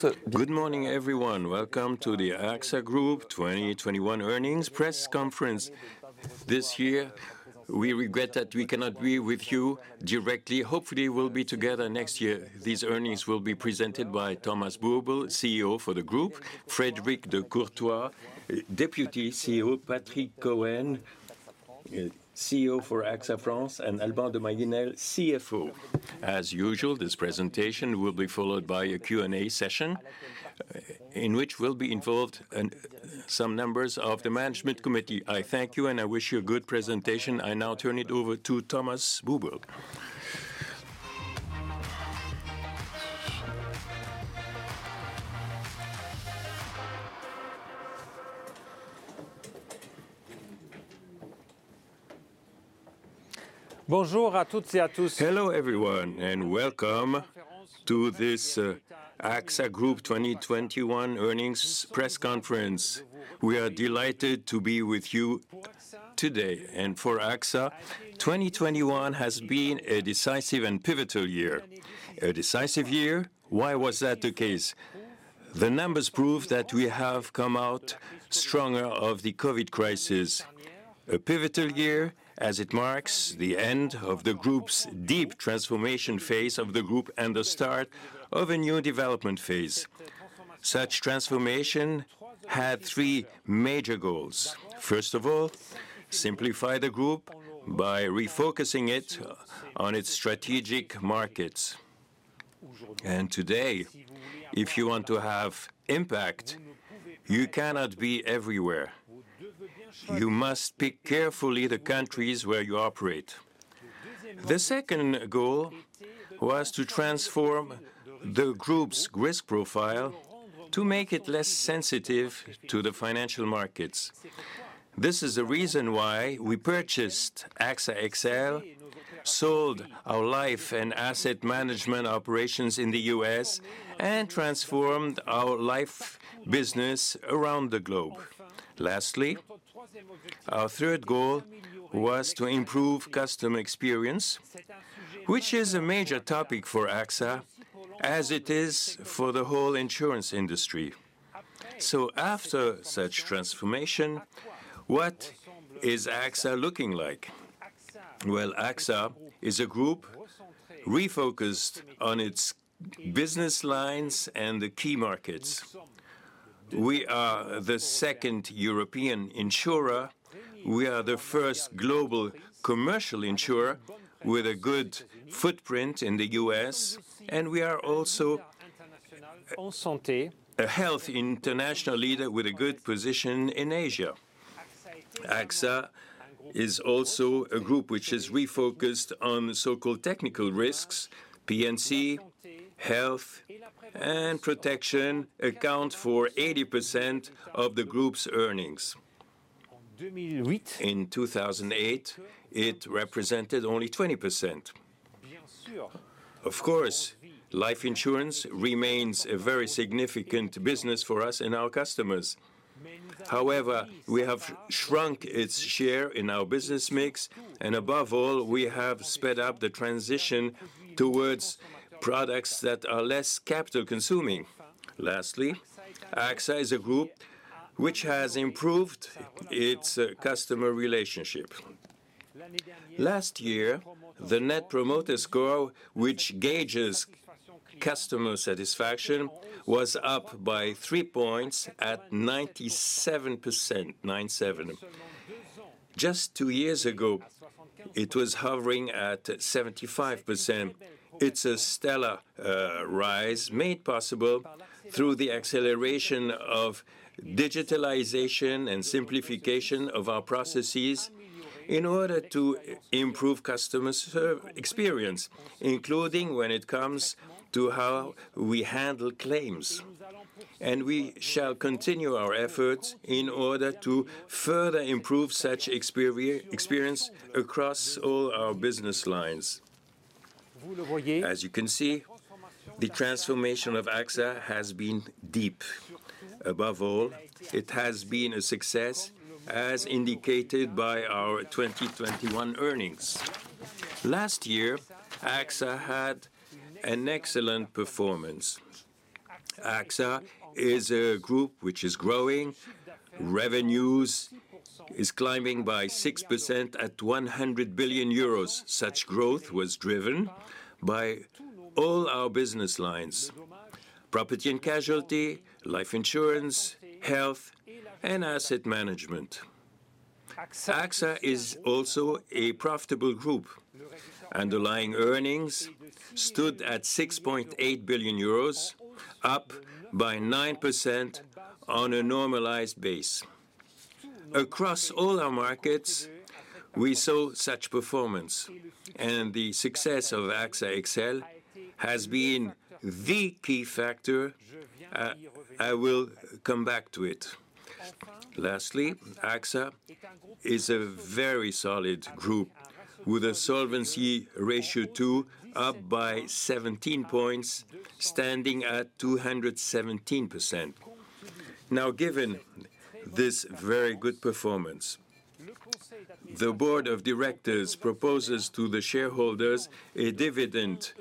Good morning, everyone. Welcome to the AXA Group 2021 earnings press conference. This year, we regret that we cannot be with you directly. Hopefully, we'll be together next year. These earnings will be presented by Thomas Buberl, CEO for the group, Frédéric de Courtois, Deputy CEO, Patrick Cohen, CEO for AXA France, and Alban de Mailly-Nesle, CFO. As usual, this presentation will be followed by a Q&A session in which will be involved some members of the management committee. I thank you, and I wish you a good presentation. I now turn it over to Thomas Buberl. Hello, everyone, and welcome to this AXA Group 2021 earnings press conference. We are delighted to be with you today. For AXA, 2021 has been a decisive and pivotal year. A decisive year, why was that the case? The numbers prove that we have come out stronger of the COVID crisis. A pivotal year, as it marks the end of the group's deep transformation phase of the group and the start of a new development phase. Such transformation had three major goals. First of all, simplify the group by refocusing it on its strategic markets. Today, if you want to have impact, you cannot be everywhere. You must pick carefully the countries where you operate. The second goal was to transform the group's risk profile to make it less sensitive to the financial markets. This is the reason why we purchased AXA XL, sold our life and asset management operations in the U.S., and transformed our life business around the globe. Lastly, our third goal was to improve customer experience, which is a major topic for AXA, as it is for the whole insurance industry. After such transformation, what is AXA looking like? Well, AXA is a group refocused on its business lines and the key markets. We are the second European insurer. We are the first global commercial insurer with a good footprint in the U.S., and we are also a health international leader with a good position in Asia. AXA is also a group which is refocused on so-called technical risks. P&C, health, and protection account for 80% of the group's earnings. In 2008, it represented only 20%. Of course, life insurance remains a very significant business for us and our customers. However, we have shrunk its share in our business mix, and above all, we have sped up the transition towards products that are less capital-consuming. Lastly, AXA is a group which has improved its customer relationship. Last year, the Net Promoter Score, which gauges customer satisfaction, was up by 3 points at 97%. Just two years ago, it was hovering at 75%. It's a stellar rise made possible through the acceleration of digitalization and simplification of our processes in order to improve customers' experience, including when it comes to how we handle claims. We shall continue our efforts in order to further improve such experience across all our business lines. As you can see, the transformation of AXA has been deep. Above all, it has been a success, as indicated by our 2021 earnings. Last year, AXA had an excellent performance. AXA is a group which is growing. Revenues is climbing by 6% at 100 billion euros. Such growth was driven by all our business lines: property and casualty, life insurance, health, and asset management. AXA is also a profitable group. Underlying earnings stood at 6.8 billion euros, up by 9% on a normalized base. Across all our markets, we saw such performance, and the success of AXA XL has been the key factor. I will come back to it. Lastly, AXA is a very solid group with a Solvency II ratio, up by 17 points, standing at 217%. Now, given this very good performance. The board of directors proposes to the shareholders a dividend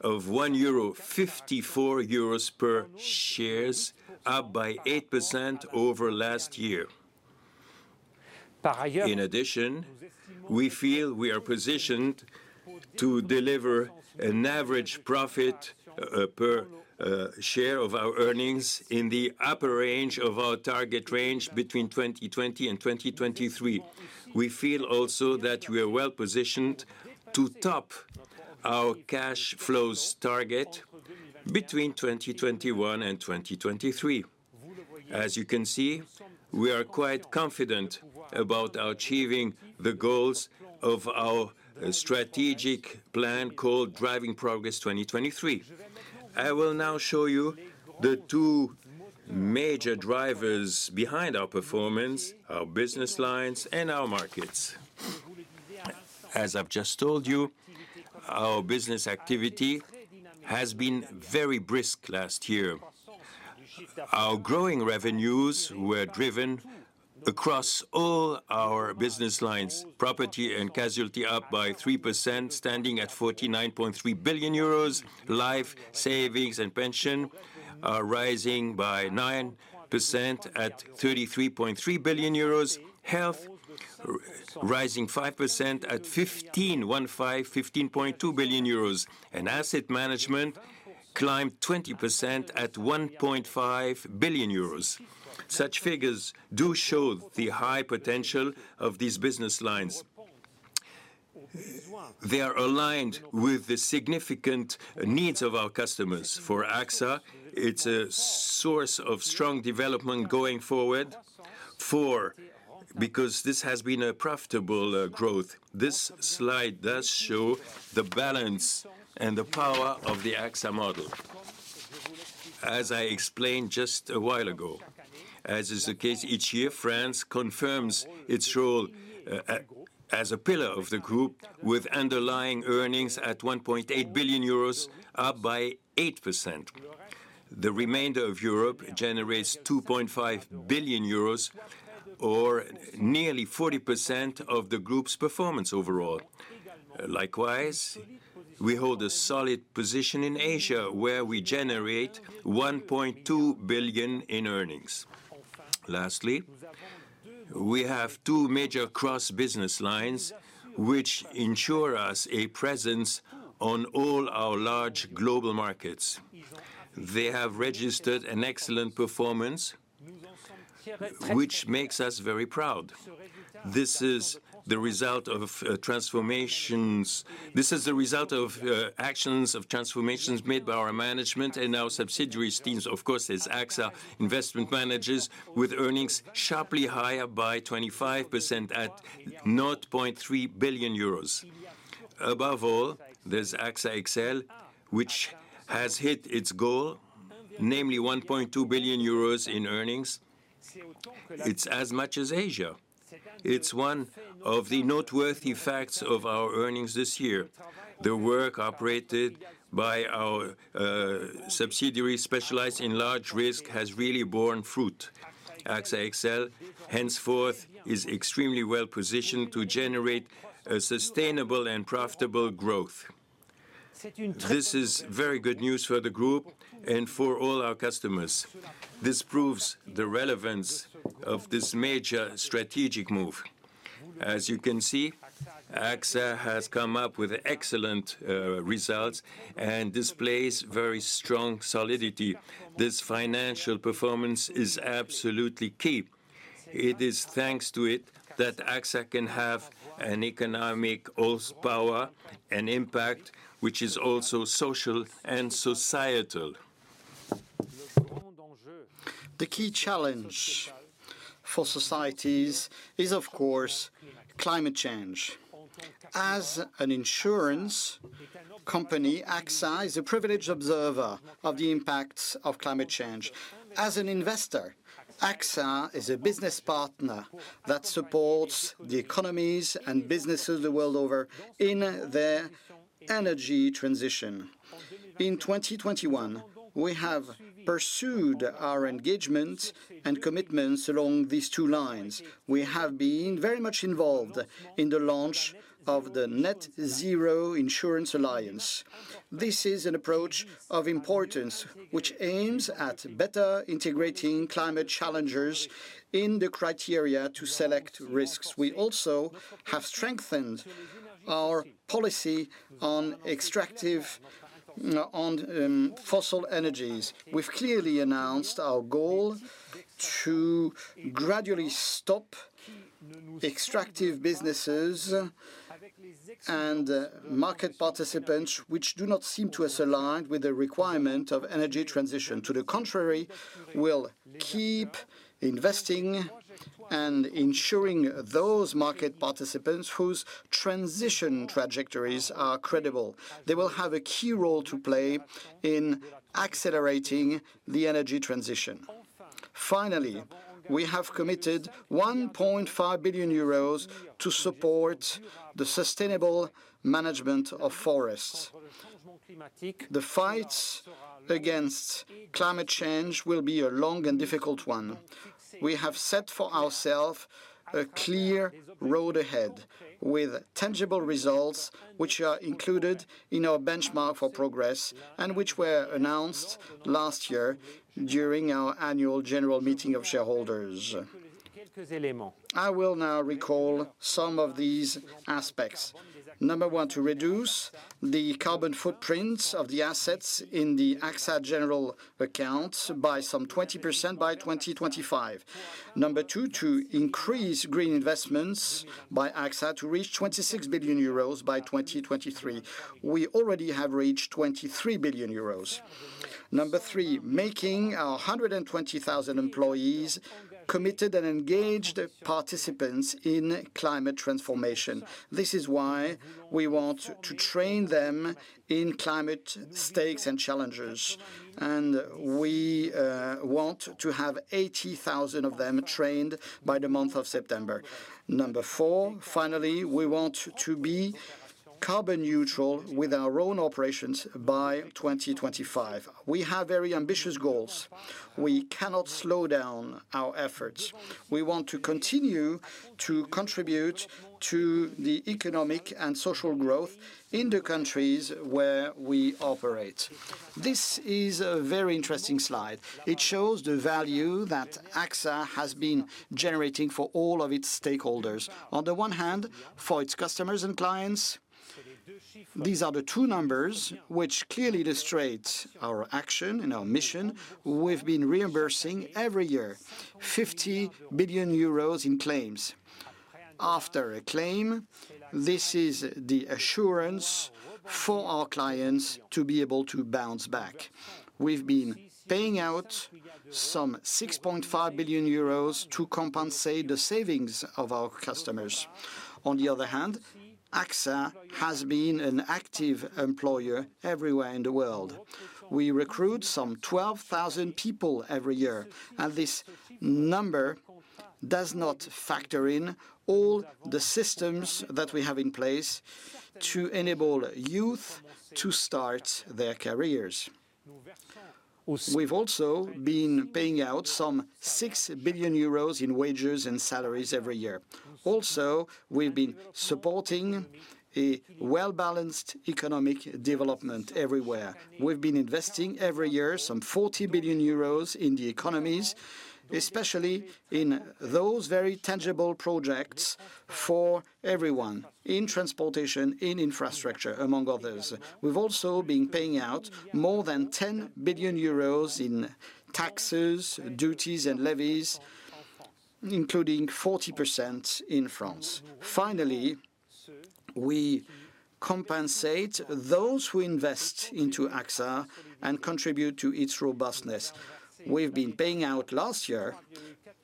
of 1.54 euro per share, up by 8% over last year. In addition, we feel we are positioned to deliver an average profit per share of our earnings in the upper range of our target range between 2020 and 2023. We feel also that we are well-positioned to top our cash flows target between 2021 and 2023. As you can see, we are quite confident about achieving the goals of our strategic plan called Driving Progress 2023. I will now show you the two major drivers behind our performance, our business lines and our markets. As I've just told you, our business activity has been very brisk last year. Our growing revenues were driven across all our business lines, property and casualty up by 3% standing at 49.3 billion euros. Life savings and pension are rising by 9% at 33.3 billion euros. Health rising 5% at 15.2 billion euros. Asset management climbed 20% at 1.5 billion euros. Such figures do show the high potential of these business lines. They are aligned with the significant needs of our customers. For AXA, it's a source of strong development going forward, because this has been a profitable growth. This slide does show the balance and the power of the AXA model. As I explained just a while ago, as is the case each year, France confirms its role as a pillar of the group with underlying earnings at 1.8 billion euros, up by 8%. The remainder of Europe generates 2.5 billion euros or nearly 40% of the group's performance overall. Likewise, we hold a solid position in Asia, where we generate 1.2 billion in earnings. Lastly, we have two major cross-business lines which ensure us a presence on all our large global markets. They have registered an excellent performance, which makes us very proud. This is the result of actions of transformations made by our management and our subsidiaries teams. Of course, there's AXA Investment Managers with earnings sharply higher by 25% at 0.3 billion euros. Above all, there's AXA XL, which has hit its goal, namely 1.2 billion euros in earnings. It's as much as Asia. It's one of the noteworthy facts of our earnings this year. The work operated by our subsidiary specialized in large risk has really borne fruit. AXA XL henceforth is extremely well-positioned to generate a sustainable and profitable growth. This is very good news for the group and for all our customers. This proves the relevance of this major strategic move. As you can see, AXA has come up with excellent results and displays very strong solidity. This financial performance is absolutely key. It is thanks to it that AXA can have an economic horsepower and impact, which is also social and societal. The key challenge for societies is, of course, climate change. As an insurance company, AXA is a privileged observer of the impacts of climate change. As an investor, AXA is a business partner that supports the economies and businesses the world over in their energy transition. In 2021, we have pursued our engagements and commitments along these two lines. We have been very much involved in the launch of the Net-Zero Insurance Alliance. This is an approach of importance which aims at better integrating climate challengers in the criteria to select risks. We also have strengthened our policy on extractive fossil energies. We've clearly announced our goal to gradually stop extractive businesses and market participants which do not seem to us aligned with the requirement of energy transition. To the contrary, we'll keep investing and ensuring those market participants whose transition trajectories are credible. They will have a key role to play in accelerating the energy transition. Finally, we have committed 1.5 billion euros to support the sustainable management of forests. The fight against climate change will be a long and difficult one. We have set for ourself a clear road ahead with tangible results which are included in our benchmark for progress and which were announced last year during our annual general meeting of shareholders. I will now recall some of these aspects. Number one, to reduce the carbon footprint of the assets in the AXA general account by some 20% by 2025. Number two, to increase green investments by AXA to reach 26 billion euros by 2023. We already have reached 23 billion euros. Number three, making our 120,000 employees committed and engaged participants in climate transformation. This is why we want to train them in climate stakes and challenges, and we want to have 80,000 of them trained by the month of September. Number four, finally, we want to be carbon neutral with our own operations by 2025. We have very ambitious goals. We cannot slow down our efforts. We want to continue to contribute to the economic and social growth in the countries where we operate. This is a very interesting slide. It shows the value that AXA has been generating for all of its stakeholders. On the one hand, for its customers and clients, these are the two numbers which clearly illustrate our action and our mission. We've been reimbursing every year 50 billion euros in claims. After a claim, this is the assurance for our clients to be able to bounce back. We've been paying out some 6.5 billion euros to compensate the savings of our customers. On the other hand, AXA has been an active employer everywhere in the world. We recruit some 12,000 people every year, and this number does not factor in all the systems that we have in place to enable youth to start their careers. We've also been paying out some 6 billion euros in wages and salaries every year. Also, we've been supporting a well-balanced economic development everywhere. We've been investing every year some 40 billion euros in the economies, especially in those very tangible projects for everyone in transportation, in infrastructure, among others. We've also been paying out more than 10 billion euros in taxes, duties, and levies, including 40% in France. Finally, we compensate those who invest into AXA and contribute to its robustness. We've been paying out last year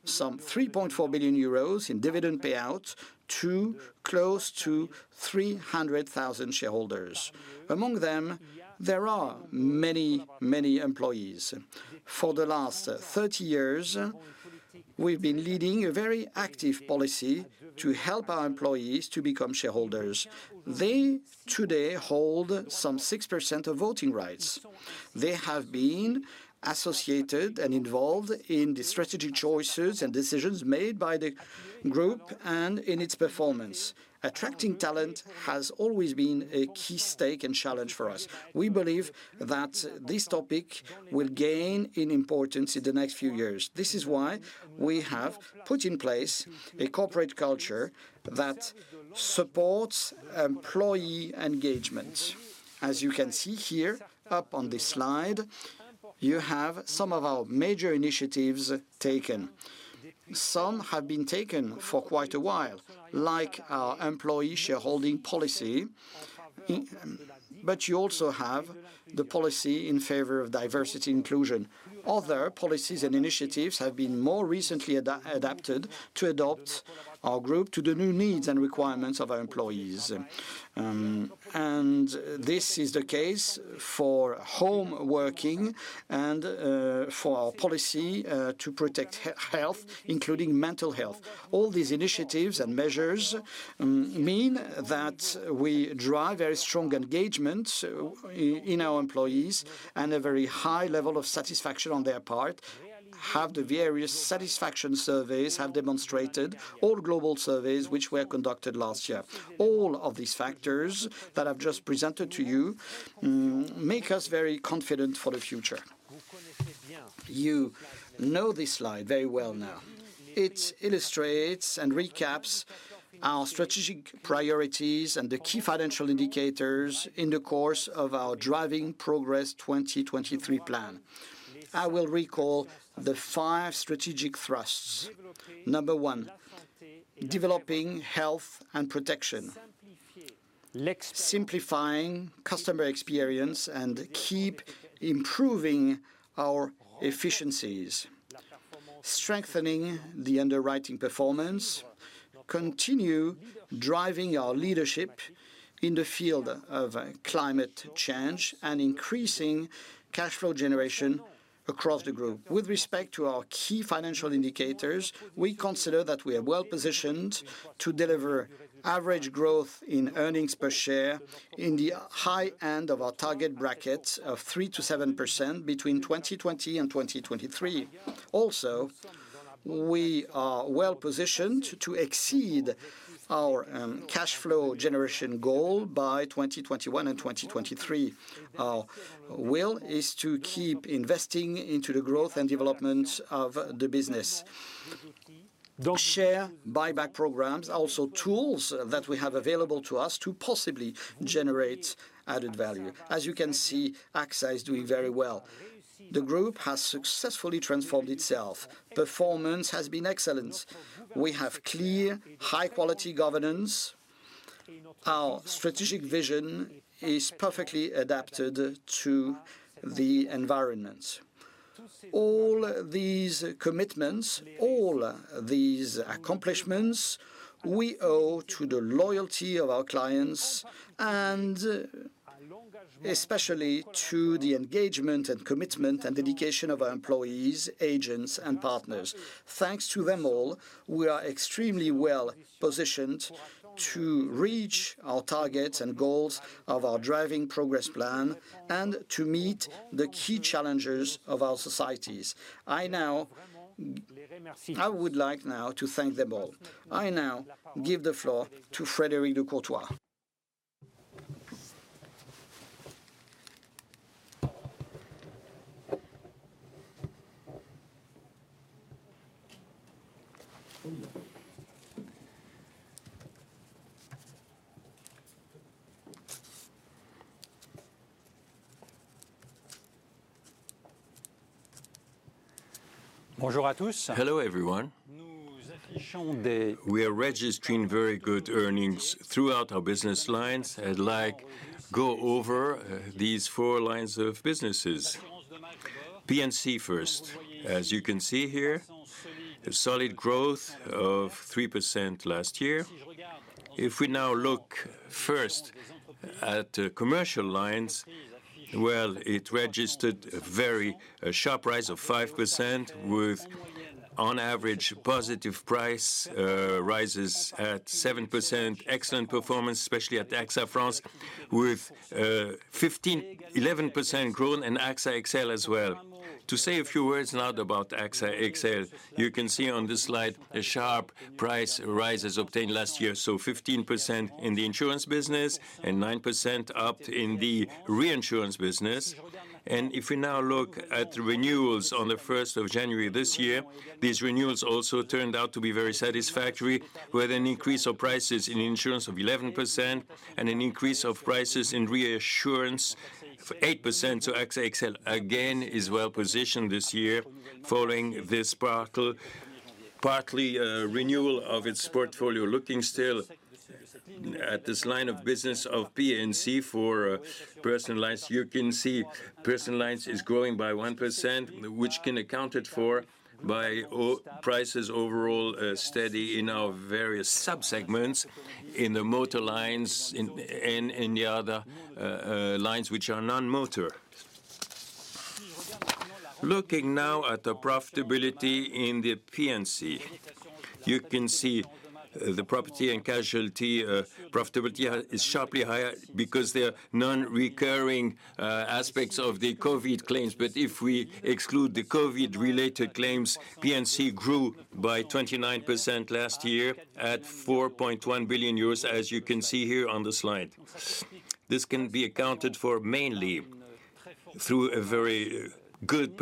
some 3.4 billion euros in dividend payouts to close to 300,000 shareholders. Among them, there are many, many employees. For the last 30 years, we've been leading a very active policy to help our employees to become shareholders. They today hold some 6% of voting rights. They have been associated and involved in the strategic choices and decisions made by the group and in its performance. Attracting talent has always been a key stake and challenge for us. We believe that this topic will gain in importance in the next few years. This is why we have put in place a corporate culture that supports employee engagement. As you can see here up on this slide, you have some of our major initiatives taken. Some have been taken for quite a while, like our employee shareholding policy, but you also have the policy in favor of diversity inclusion. Other policies and initiatives have been more recently adapted to adapt our group to the new needs and requirements of our employees. This is the case for home working and for our policy to protect health, including mental health. All these initiatives and measures mean that we drive very strong engagement in our employees and a very high level of satisfaction on their part, as the various satisfaction surveys have demonstrated, all global surveys which were conducted last year. All of these factors that I've just presented to you make us very confident for the future. You know this slide very well now. It illustrates and recaps our strategic priorities and the key financial indicators in the course of our Driving Progress 2023 plan. I will recall the five strategic thrusts. Number one, developing health and protection. Simplifying customer experience and keep improving our efficiencies. Strengthening the underwriting performance. Continue driving our leadership in the field of climate change, and increasing cash flow generation across the group. With respect to our key financial indicators, we consider that we are well-positioned to deliver average growth in earnings per share in the high end of our target brackets of 3%-7% between 2020 and 2023. Also, we are well-positioned to exceed our cash flow generation goal by 2021 and 2023. Our will is to keep investing into the growth and development of the business. The share buyback programs are also tools that we have available to us to possibly generate added value. As you can see, AXA is doing very well. The group has successfully transformed itself. Performance has been excellent. We have clear, high-quality governance. Our strategic vision is perfectly adapted to the environment. All these commitments, all these accomplishments, we owe to the loyalty of our clients and especially to the engagement and commitment and dedication of our employees, agents, and partners. Thanks to them all, we are extremely well-positioned to reach our targets and goals of our Driving Progress plan and to meet the key challenges of our societies. I would like now to thank them all. I now give the floor to Frédéric de Courtois. Hello, everyone. We are registering very good earnings throughout our business lines. I'd like to go over these four lines of businesses. P&C first. As you can see here, a solid growth of 3% last year. If we now look first at commercial lines, well, it registered a very sharp rise of 5% with on average positive price rises at 7%, excellent performance, especially at AXA France with 11% growth in AXA XL as well. To say a few words now about AXA XL, you can see on this slide a sharp price rises obtained last year, so 15% in the insurance business and 9% up in the reinsurance business. If we now look at renewals on the 1st of January this year, these renewals also turned out to be very satisfactory with an increase of prices in insurance of 11% and an increase of prices in reinsurance of 8%. AXA XL again is well-positioned this year following this renewal of its portfolio. Looking still at this line of business of P&C for personal lines, you can see personal lines is growing by 1%, which can be accounted for by our prices overall steady in our various subsegments in the motor lines and in the other lines which are non-motor. Looking now at the profitability in the P&C, you can see the property and casualty profitability is sharply higher because there are non-recurring aspects of the COVID claims. If we exclude the COVID-related claims, P&C grew by 29% last year at 4.1 billion euros, as you can see here on the slide. This can be accounted for mainly through a very good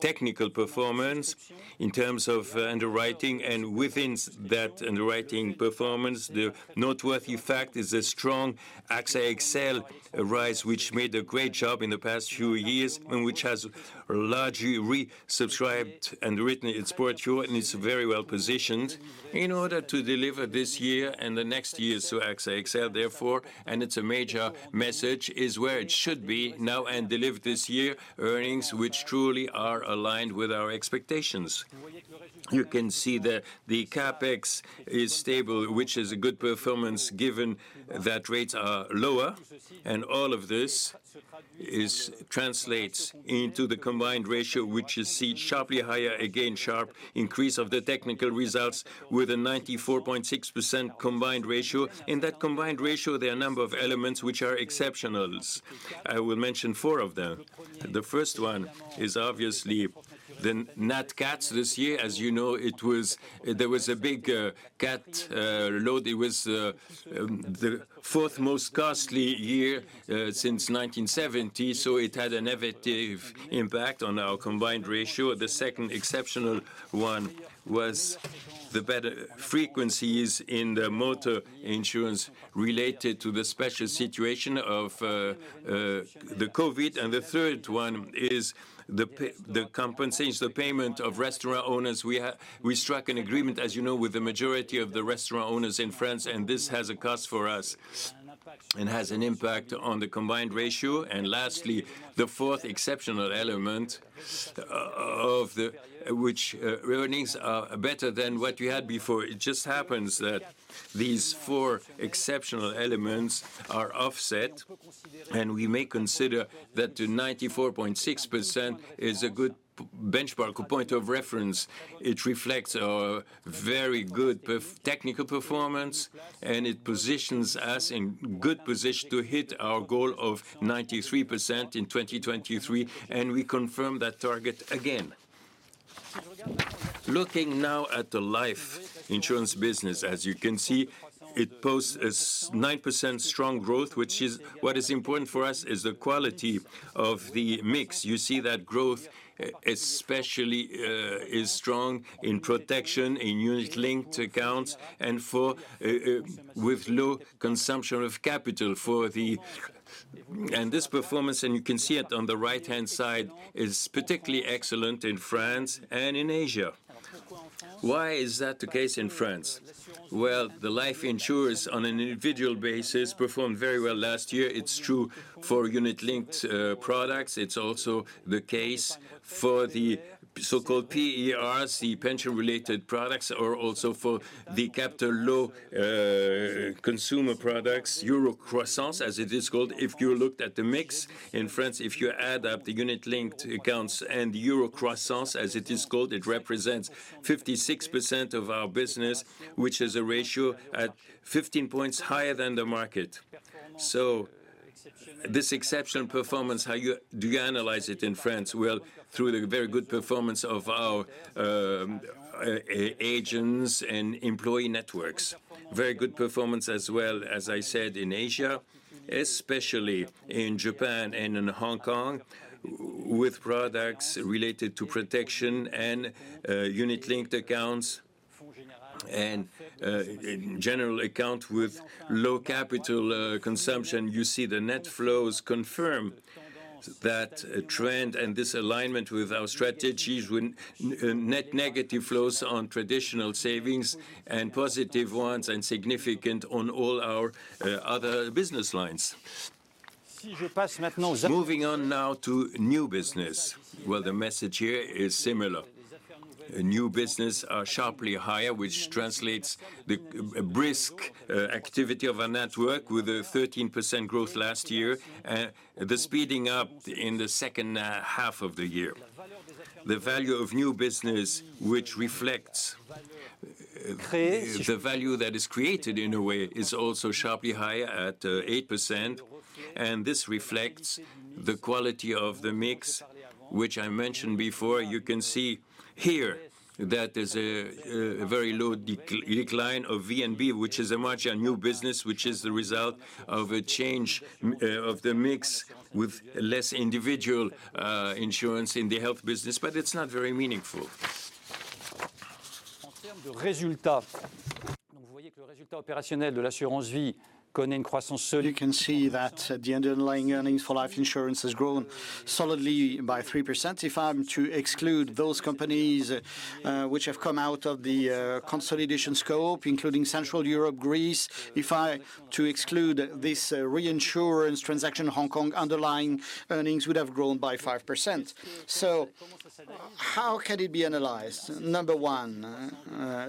technical performance in terms of underwriting and within that underwriting performance, the noteworthy fact is a strong AXA XL rise, which made a great job in the past few years, and which has largely resubscribed and rewritten its portfolio and is very well positioned in order to deliver this year and the next years to AXA XL. Therefore, and it's a major message, is where it should be now and deliver this year earnings which truly are aligned with our expectations. You can see that the CapEx is stable, which is a good performance given that rates are lower, and all of this translates into the combined ratio, which you see sharply higher, again, sharp increase of the technical results with a 94.6% combined ratio. In that combined ratio, there are a number of elements which are exceptional. I will mention four of them. The first one is obviously the Nat Cat this year. As you know, it was a big cat load. It was the fourth most costly year since 1970, so it had a negative impact on our combined ratio. The second exceptional one was the better frequencies in the motor insurance related to the special situation of the COVID. The third one is the payment of restaurant owners. We struck an agreement, as you know, with the majority of the restaurant owners in France, and this has a cost for us and has an impact on the combined ratio. Lastly, the fourth exceptional element, Earnings are better than what we had before. It just happens that these four exceptional elements are offset, and we may consider that the 94.6% is a good benchmark or point of reference. It reflects our very good technical performance, and it positions us in good position to hit our goal of 93% in 2023, and we confirm that target again. Looking now at the life insurance business. As you can see, it posts a 9% strong growth. What is important for us is the quality of the mix. You see that growth, especially, is strong in protection, in unit-linked accounts and with low consumption of capital. This performance, and you can see it on the right-hand side, is particularly excellent in France and in Asia. Why is that the case in France? Well, the life insurers on an individual basis performed very well last year. It's true for unit-linked products. It's also the case for the so-called PER, the pension-related products, or also for the capital light consumer products, Euro Croissance, as it is called. If you looked at the mix in France, if you add up the unit-linked accounts and Euro Croissance, as it is called, it represents 56% of our business, which is a ratio 15 points higher than the market. This exceptional performance, Do you analyze it in France? Well, through the very good performance of our agents and employee networks. Very good performance as well, as I said, in Asia, especially in Japan and in Hong Kong, with products related to protection and unit-linked accounts and general account with low capital consumption. You see the net flows confirm that trend and this alignment with our strategies with net negative flows on traditional savings and positive ones and significant on all our other business lines. Moving on now to new business. Well, the message here is similar. New business are sharply higher, which translates the brisk activity of our network with a 13% growth last year, the speeding up in the second half of the year. The value of new business which reflects the value that is created in a way is also sharply higher at 8%, and this reflects the quality of the mix which I mentioned before. You can see here that there's a very low decline of VNB, which is the result of a change of the mix with less individual insurance in the health business, but it's not very meaningful. You can see that the underlying earnings for life insurance has grown solidly by 3%. If I'm to exclude those companies which have come out of the consolidation scope, including Central Europe, Greece, if I to exclude this reinsurance transaction, Hong Kong, underlying earnings would have grown by 5%. How can it be analyzed? Number one,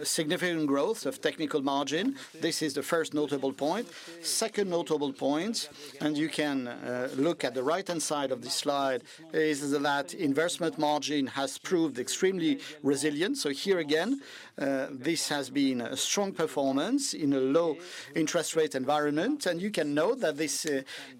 significant growth of technical margin. This is the first notable point. Second notable point, and you can look at the right-hand side of the slide, is that investment margin has proved extremely resilient. Here again, this has been a strong performance in a low interest rate environment. You can note that this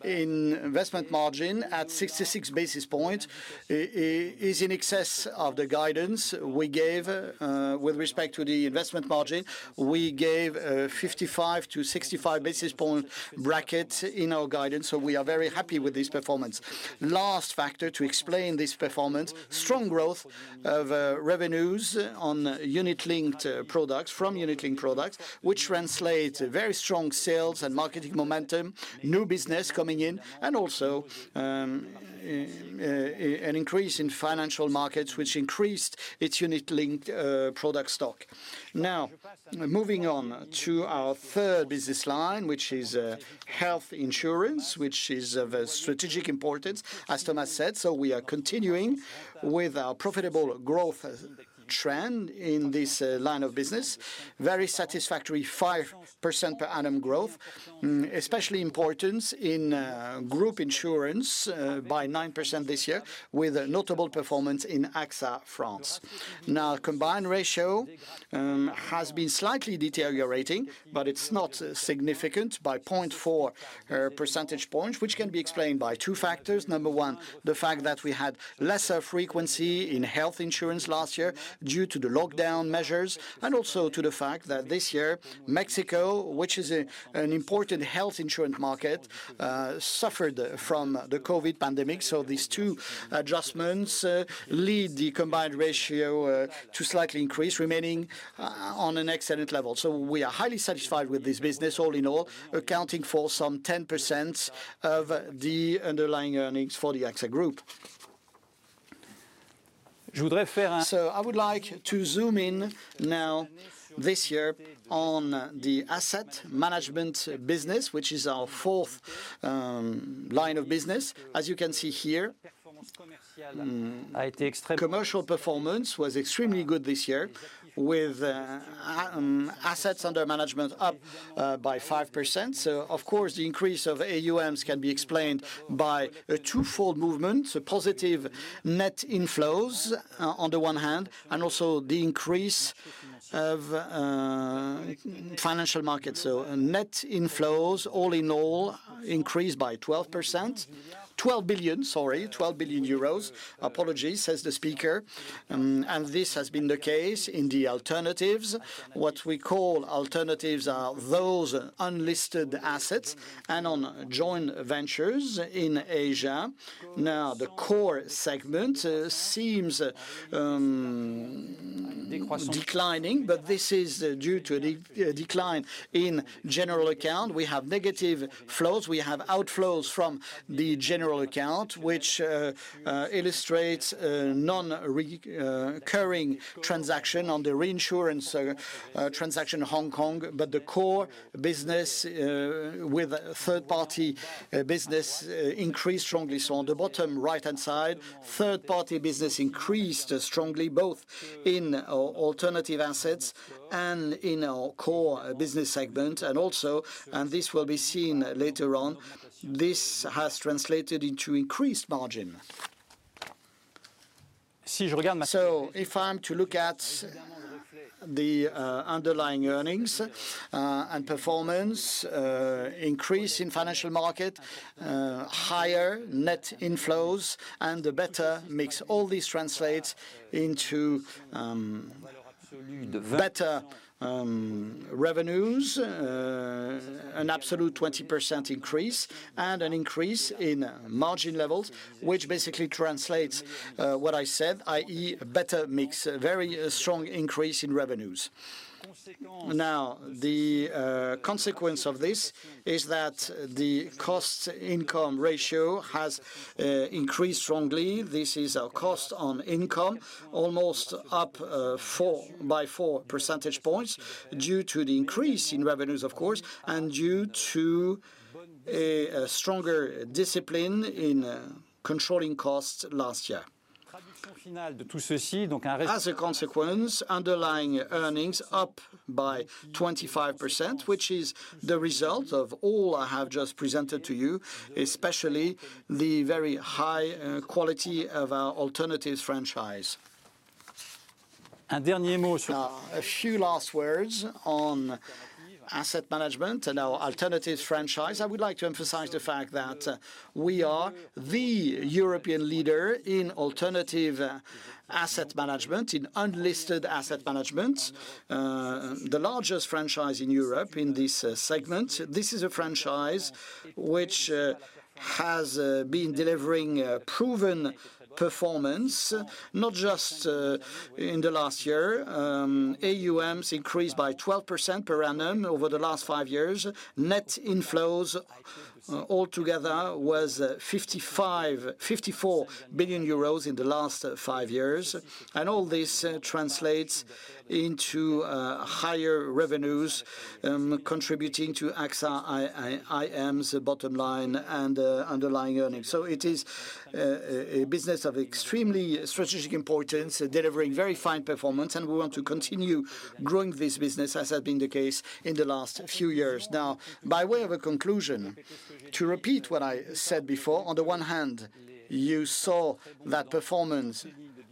investment margin at 66 basis points is in excess of the guidance we gave with respect to the investment margin. We gave a 55-65 basis points bracket in our guidance, so we are very happy with this performance. Last factor to explain this performance, strong growth of revenues on unit-linked products, from unit-linked products, which translates very strong sales and marketing momentum, new business coming in and also an increase in financial markets which increased its unit-linked product stock. Now, moving on to our third business line, which is health insurance, which is of a strategic importance, as Thomas said. We are continuing with our profitable growth trend in this line of business. Very satisfactory 5% per annum growth, especially importance in group insurance by 9% this year, with a notable performance in AXA France. Now, combined ratio has been slightly deteriorating, but it's not significant by 0.4 percentage points, which can be explained by two factors. Number one, the fact that we had lesser frequency in health insurance last year due to the lockdown measures, and also to the fact that this year, Mexico, which is an important health insurance market, suffered from the COVID pandemic. These two adjustments lead the combined ratio to slightly increase, remaining on an excellent level. We are highly satisfied with this business all in all, accounting for some 10% of the underlying earnings for the AXA Group. I would like to zoom in now this year on the asset management business, which is our fourth line of business. As you can see here. Commercial performance was extremely good this year with assets under management up by 5%. Of course, the increase of AUM can be explained by a twofold movement, positive net inflows on the one hand, and also the increase of financial markets. Net inflows all in all increased by 12%. 12 billion, sorry. 12 billion euros. And this has been the case in the alternatives. What we call alternatives are those unlisted assets and joint ventures in Asia. Now, the core segment seems declining, but this is due to a decline in general account. We have negative flows. We have outflows from the general account, which illustrates nonrecurring transaction on the reinsurance transaction Hong Kong. The core business with third-party business increased strongly. On the bottom right-hand side, third-party business increased strongly, both in alternative assets and in our core business segment. This will be seen later on, this has translated into increased margin. If I'm to look at the underlying earnings and performance, increase in financial market, higher net inflows and a better mix, all this translates into better revenues, an absolute 20% increase, and an increase in margin levels, which basically translates what I said, i.e., better mix, very strong increase in revenues. Now, the consequence of this is that the cost-income ratio has increased strongly. This is our cost-income, almost up by 4 percentage points due to the increase in revenues, of course, and due to a stronger discipline in controlling costs last year. As a consequence, underlying earnings up by 25%, which is the result of all I have just presented to you, especially the very high quality of our alternatives franchise. Now, a few last words on asset management and our alternatives franchise. I would like to emphasize the fact that we are the European leader in alternative asset management, in unlisted asset management, the largest franchise in Europe in this segment. This is a franchise which has been delivering proven performance, not just in the last year. AUM increased by 12% per annum over the last five years. Net inflows all together was 54 billion euros in the last five years. All this translates into higher revenues contributing to AXA IM's bottom line and underlying earnings. It is a business of extremely strategic importance, delivering very fine performance, and we want to continue growing this business, as has been the case in the last few years. Now, by way of a conclusion, to repeat what I said before, on the one hand, you saw that performance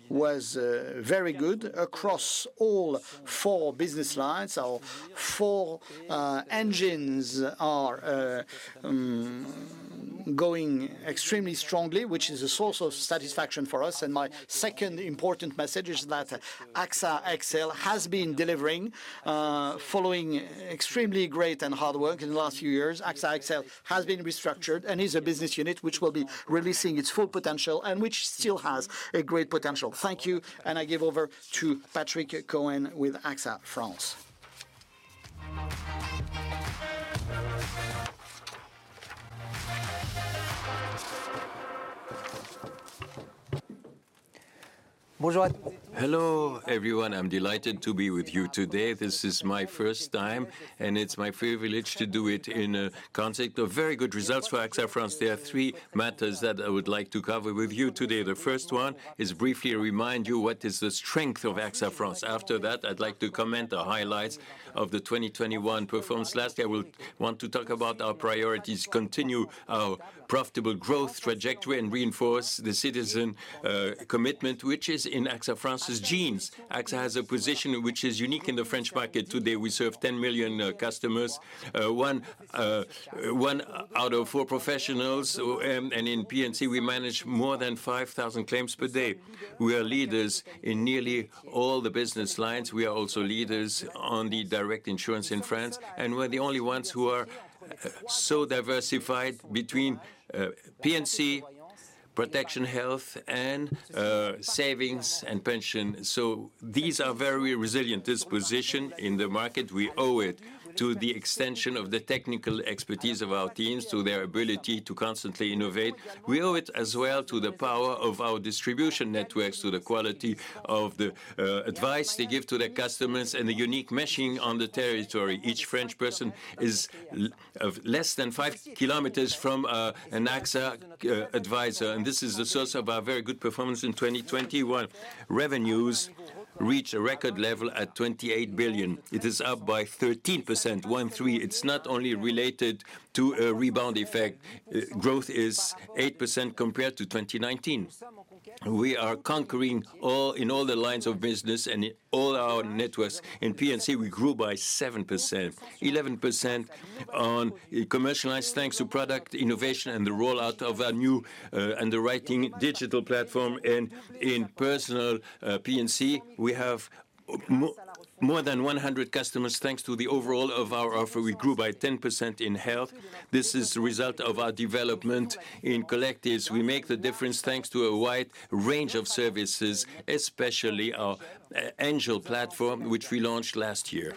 was very good across all four business lines. Our four engines are going extremely strongly, which is a source of satisfaction for us. My second important message is that AXA XL has been delivering following extremely great and hard work in the last few years. AXA XL has been restructured and is a business unit which will be releasing its full potential and which still has a great potential. Thank you, and I give over to Patrick Cohen with AXA France. Hello, everyone. I'm delighted to be with you today. This is my first time, and it's my privilege to do it in a context of very good results for AXA France. There are three matters that I would like to cover with you today. The first one is briefly remind you what is the strength of AXA France. After that, I'd like to comment the highlights of the 2021 performance. Last, I will want to talk about our priorities, continue our profitable growth trajectory, and reinforce the citizen commitment, which is in AXA France's genes. AXA has a position which is unique in the French market today. We serve 10 million customers, one out of four professionals, and in P&C, we manage more than 5,000 claims per day. We are leaders in nearly all the business lines. We are also leaders on the direct insurance in France, and we're the only ones who are so diversified between P&C protection, health, and savings and pension. These are very resilient. This position in the market, we owe it to the extension of the technical expertise of our teams, to their ability to constantly innovate. We owe it as well to the power of our distribution networks, to the quality of the advice they give to their customers and the unique meshing on the territory. Each French person is less than 5 km from an AXA advisor, and this is the source of our very good performance in 2021. Revenues reach a record level at 28 billion. It is up by 13%. It's not only related to a rebound effect. Growth is 8% compared to 2019. We are conquering all in all the lines of business and in all our networks. In P&C, we grew by 7%, 11% on commercial lines thanks to product innovation and the rollout of our new underwriting digital platform and in personal P&C, we have more than 100 customers thanks to the overhaul of our offer. We grew by 10% in health. This is the result of our development in collectives. We make the difference thanks to a wide range of services, especially our Angel platform, which we launched last year.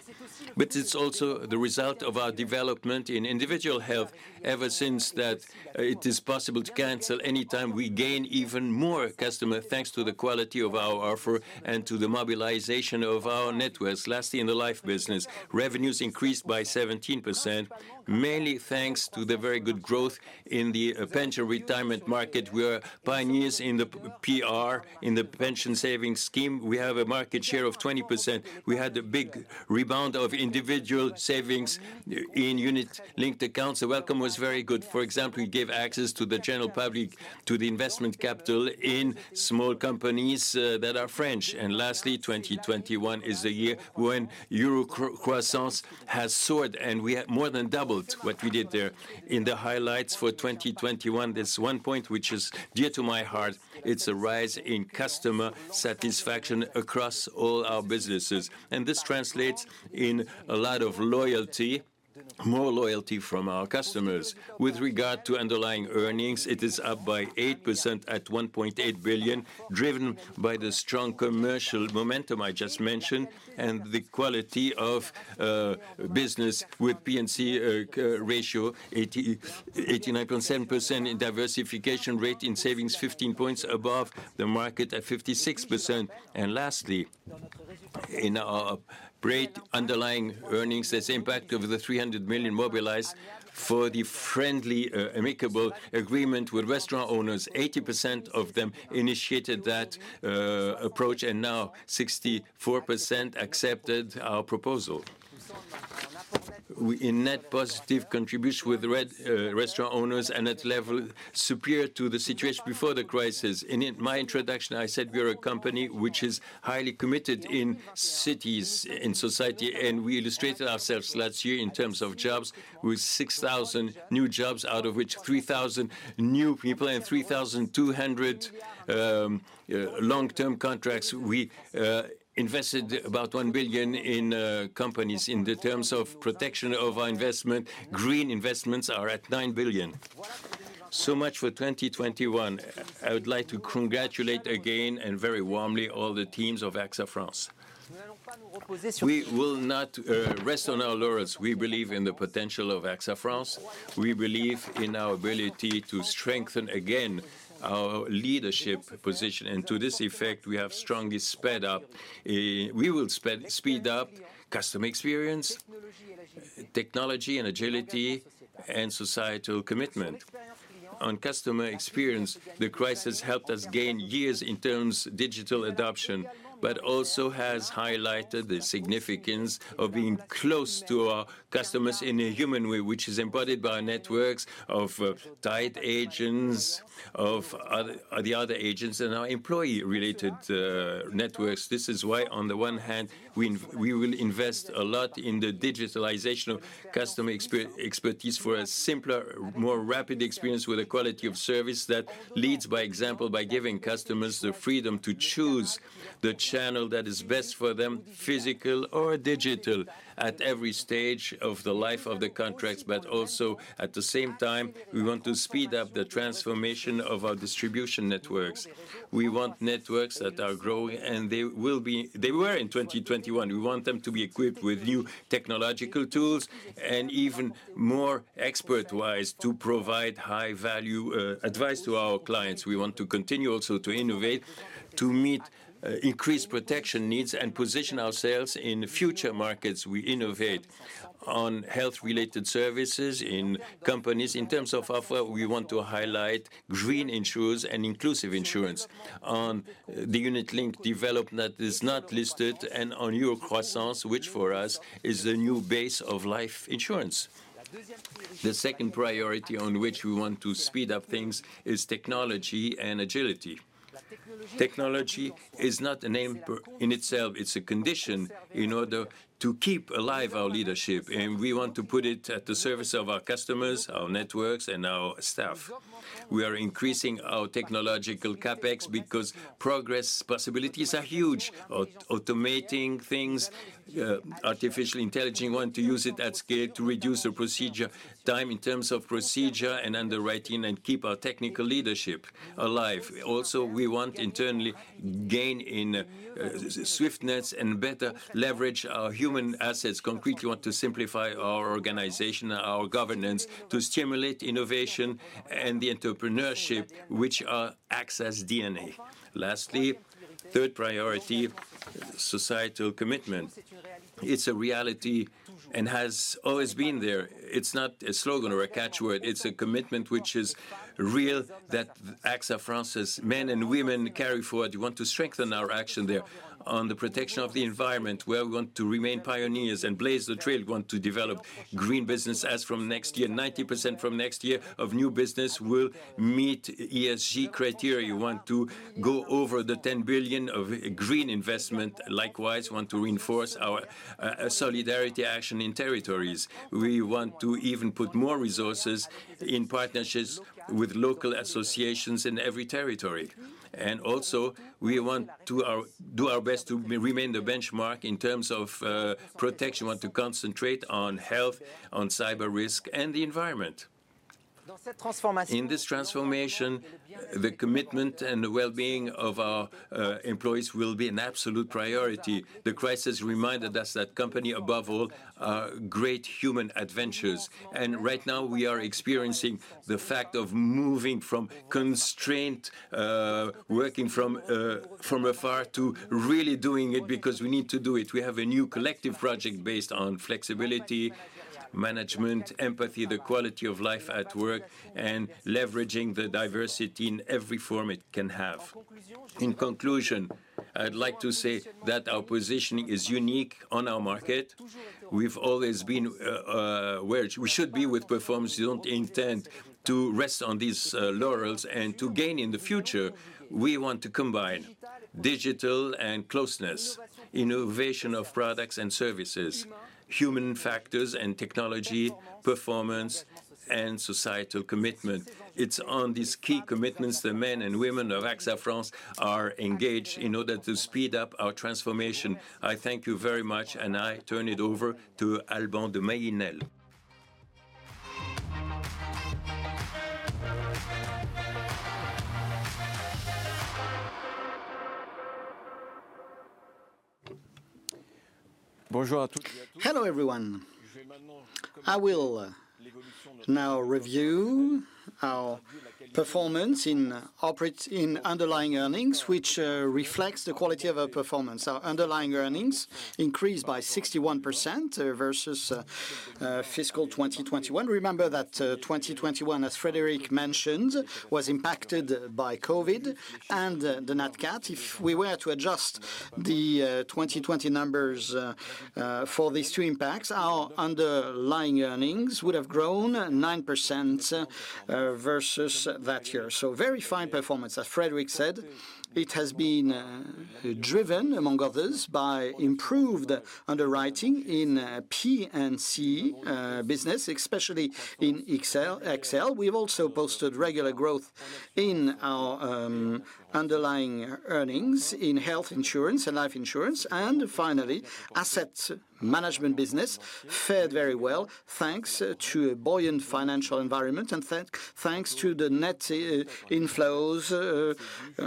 It's also the result of our development in individual health. Ever since that it is possible to cancel anytime, we gain even more customer thanks to the quality of our offer and to the mobilization of our networks. Lastly, in the life business, revenues increased by 17%, mainly thanks to the very good growth in the pension retirement market. We are pioneers in the PER, in the pension savings scheme. We have a market share of 20%. We had a big rebound of individual savings in unit-linked accounts. The welcome was very good. For example, we gave access to the general public to the investment capital in small companies, that are French. Lastly, 2021 is the year when Euro Croissance has soared, and we have more than doubled what we did there. In the highlights for 2021, there's one point which is dear to my heart, it's a rise in customer satisfaction across all our businesses, and this translates in a lot of loyalty, more loyalty from our customers. With regard to underlying earnings, it is up by 8% at 1.8 billion, driven by the strong commercial momentum I just mentioned, and the quality of business with P&C combined ratio 89.7% in diversification rate, in savings, 15 points above the market at 56%. Lastly, in our growth underlying earnings, there's impact of the 300 million mobilized for the friendly, amicable agreement with restaurant owners. 80% of them initiated that approach, and now 64% accepted our proposal. We are in net positive contribution with restaurant owners and at level superior to the situation before the crisis. In my introduction, I said we are a company which is highly committed in cities, in society, and we illustrated ourselves last year in terms of jobs with 6,000 new jobs, out of which 3,000 new people and 3,200 long-term contracts. We invested about 1 billion in companies in the terms of protection of our investment. Green investments are at 9 billion. Much for 2021. I would like to congratulate again and very warmly all the teams of AXA France. We will not rest on our laurels. We believe in the potential of AXA France. We believe in our ability to strengthen again our leadership position, and to this effect, we have strongly sped up, we will speed up customer experience, technology and agility, and societal commitment. On customer experience, the crisis helped us gain years in terms of digital adoption, but also has highlighted the significance of being close to our customers in a human way, which is embodied by our networks of tied agents, of the other agents, and our employee-related networks. This is why, on the one hand, we will invest a lot in the digitalization of customer expertise for a simpler, more rapid experience with a quality of service that leads by example by giving customers the freedom to choose the channel that is best for them, physical or digital, at every stage of the life of the contracts. At the same time, we want to speed up the transformation of our distribution networks. We want networks that are growing, and they were in 2021. We want them to be equipped with new technological tools and even more expert-wise to provide high value, advice to our clients. We want to continue also to innovate, to meet, increased protection needs and position ourselves in future markets. We innovate on health-related services in companies. In terms of offer, we want to highlight green insurance and inclusive insurance on the unit-linked development that is not listed and on Euro Croissance, which for us is the new base of life insurance. The second priority on which we want to speed up things is technology and agility. Technology is not an aim in itself, it's a condition in order to keep alive our leadership, and we want to put it at the service of our customers, our networks and our staff. We are increasing our technological CapEx because progress possibilities are huge. Automating things, artificial intelligence, we want to use it at scale to reduce the procedure time in terms of procedure and underwriting and keep our technical leadership alive. Also, we want internally gain in swiftness and better leverage our human assets. Concretely, we want to simplify our organization and our governance to stimulate innovation and the entrepreneurship which are AXA's DNA. Lastly, third priority, societal commitment. It's a reality and has always been there. It's not a slogan or a catchword, it's a commitment which is real that AXA France's men and women carry forward. We want to strengthen our action there on the protection of the environment where we want to remain pioneers and blaze the trail. We want to develop green business as from next year. 90% from next year of new business will meet ESG criteria. We want to go over 10 billion of green investment. Likewise, we want to reinforce our solidarity action in territories. We want to even put more resources in partnerships with local associations in every territory. We want to do our best to remain the benchmark in terms of protection. We want to concentrate on health, on cyber risk and the environment. In this transformation, the commitment and the well-being of our employees will be an absolute priority. The crisis reminded us that companies above all are great human adventures. Right now we are experiencing the fact of moving from constrained working from afar to really doing it because we need to do it. We have a new collective project based on flexibility, management, empathy, the quality of life at work and leveraging the diversity in every form it can have. In conclusion, I'd like to say that our positioning is unique on our market. We've always been where we should be with performance. We don't intend to rest on these laurels. To gain in the future, we want to combine digital and closeness, innovation of products and services, human factors and technology, performance and societal commitment. It's on these key commitments the men and women of AXA France are engaged in order to speed up our transformation. I thank you very much, and I turn it over to Alban de Mailly-Nesle. Hello, everyone. I will now review our performance in underlying earnings, which reflects the quality of our performance. Our underlying earnings increased by 61% versus fiscal 2021. Remember that 2021, as Frédéric mentioned, was impacted by COVID and the Nat Cat. If we were to adjust the 2020 numbers for these two impacts, our underlying earnings would have grown 9% versus that year. Very fine performance, as Frédéric said. It has been driven, among others, by improved underwriting in P&C business, especially in XL. We've also posted regular growth in our underlying earnings in health insurance and life insurance. Finally, asset management business fared very well, thanks to a buoyant financial environment and thanks to the net inflows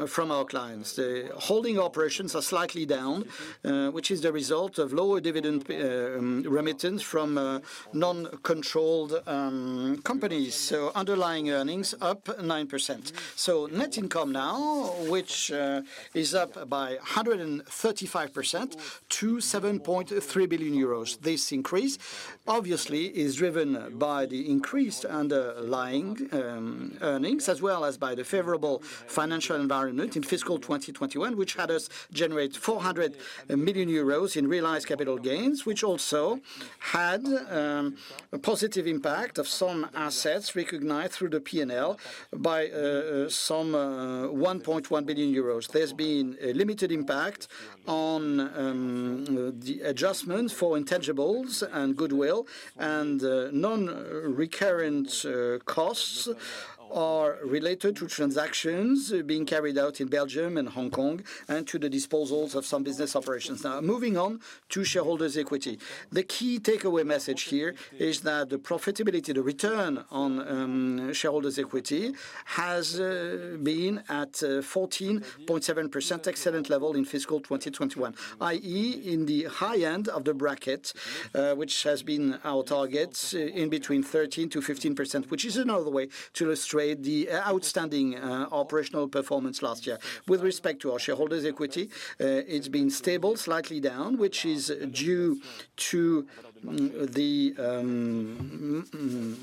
from our clients. The holding operations are slightly down, which is the result of lower dividend remittance from non-controlled companies. Underlying earnings up 9%. Net income now, which is up by 135% to 7.3 billion euros. This increase obviously is driven by the increased underlying earnings, as well as by the favorable financial environment in fiscal 2021, which had us generate 400 million euros in realized capital gains, which also had a positive impact of some assets recognized through the P&L by some 1.1 billion euros. There's been a limited impact on the adjustments for intangibles and goodwill and non-recurring costs are related to transactions being carried out in Belgium and Hong Kong and to the disposals of some business operations. Now, moving on to shareholders' equity. The key takeaway message here is that the profitability, the return on shareholders' equity has been at 14.7%, excellent level in fiscal 2021, i.e., in the high end of the bracket, which has been our target in between 13%-15%, which is another way to illustrate the outstanding operational performance last year. With respect to our shareholders' equity, it's been stable, slightly down, which is due to the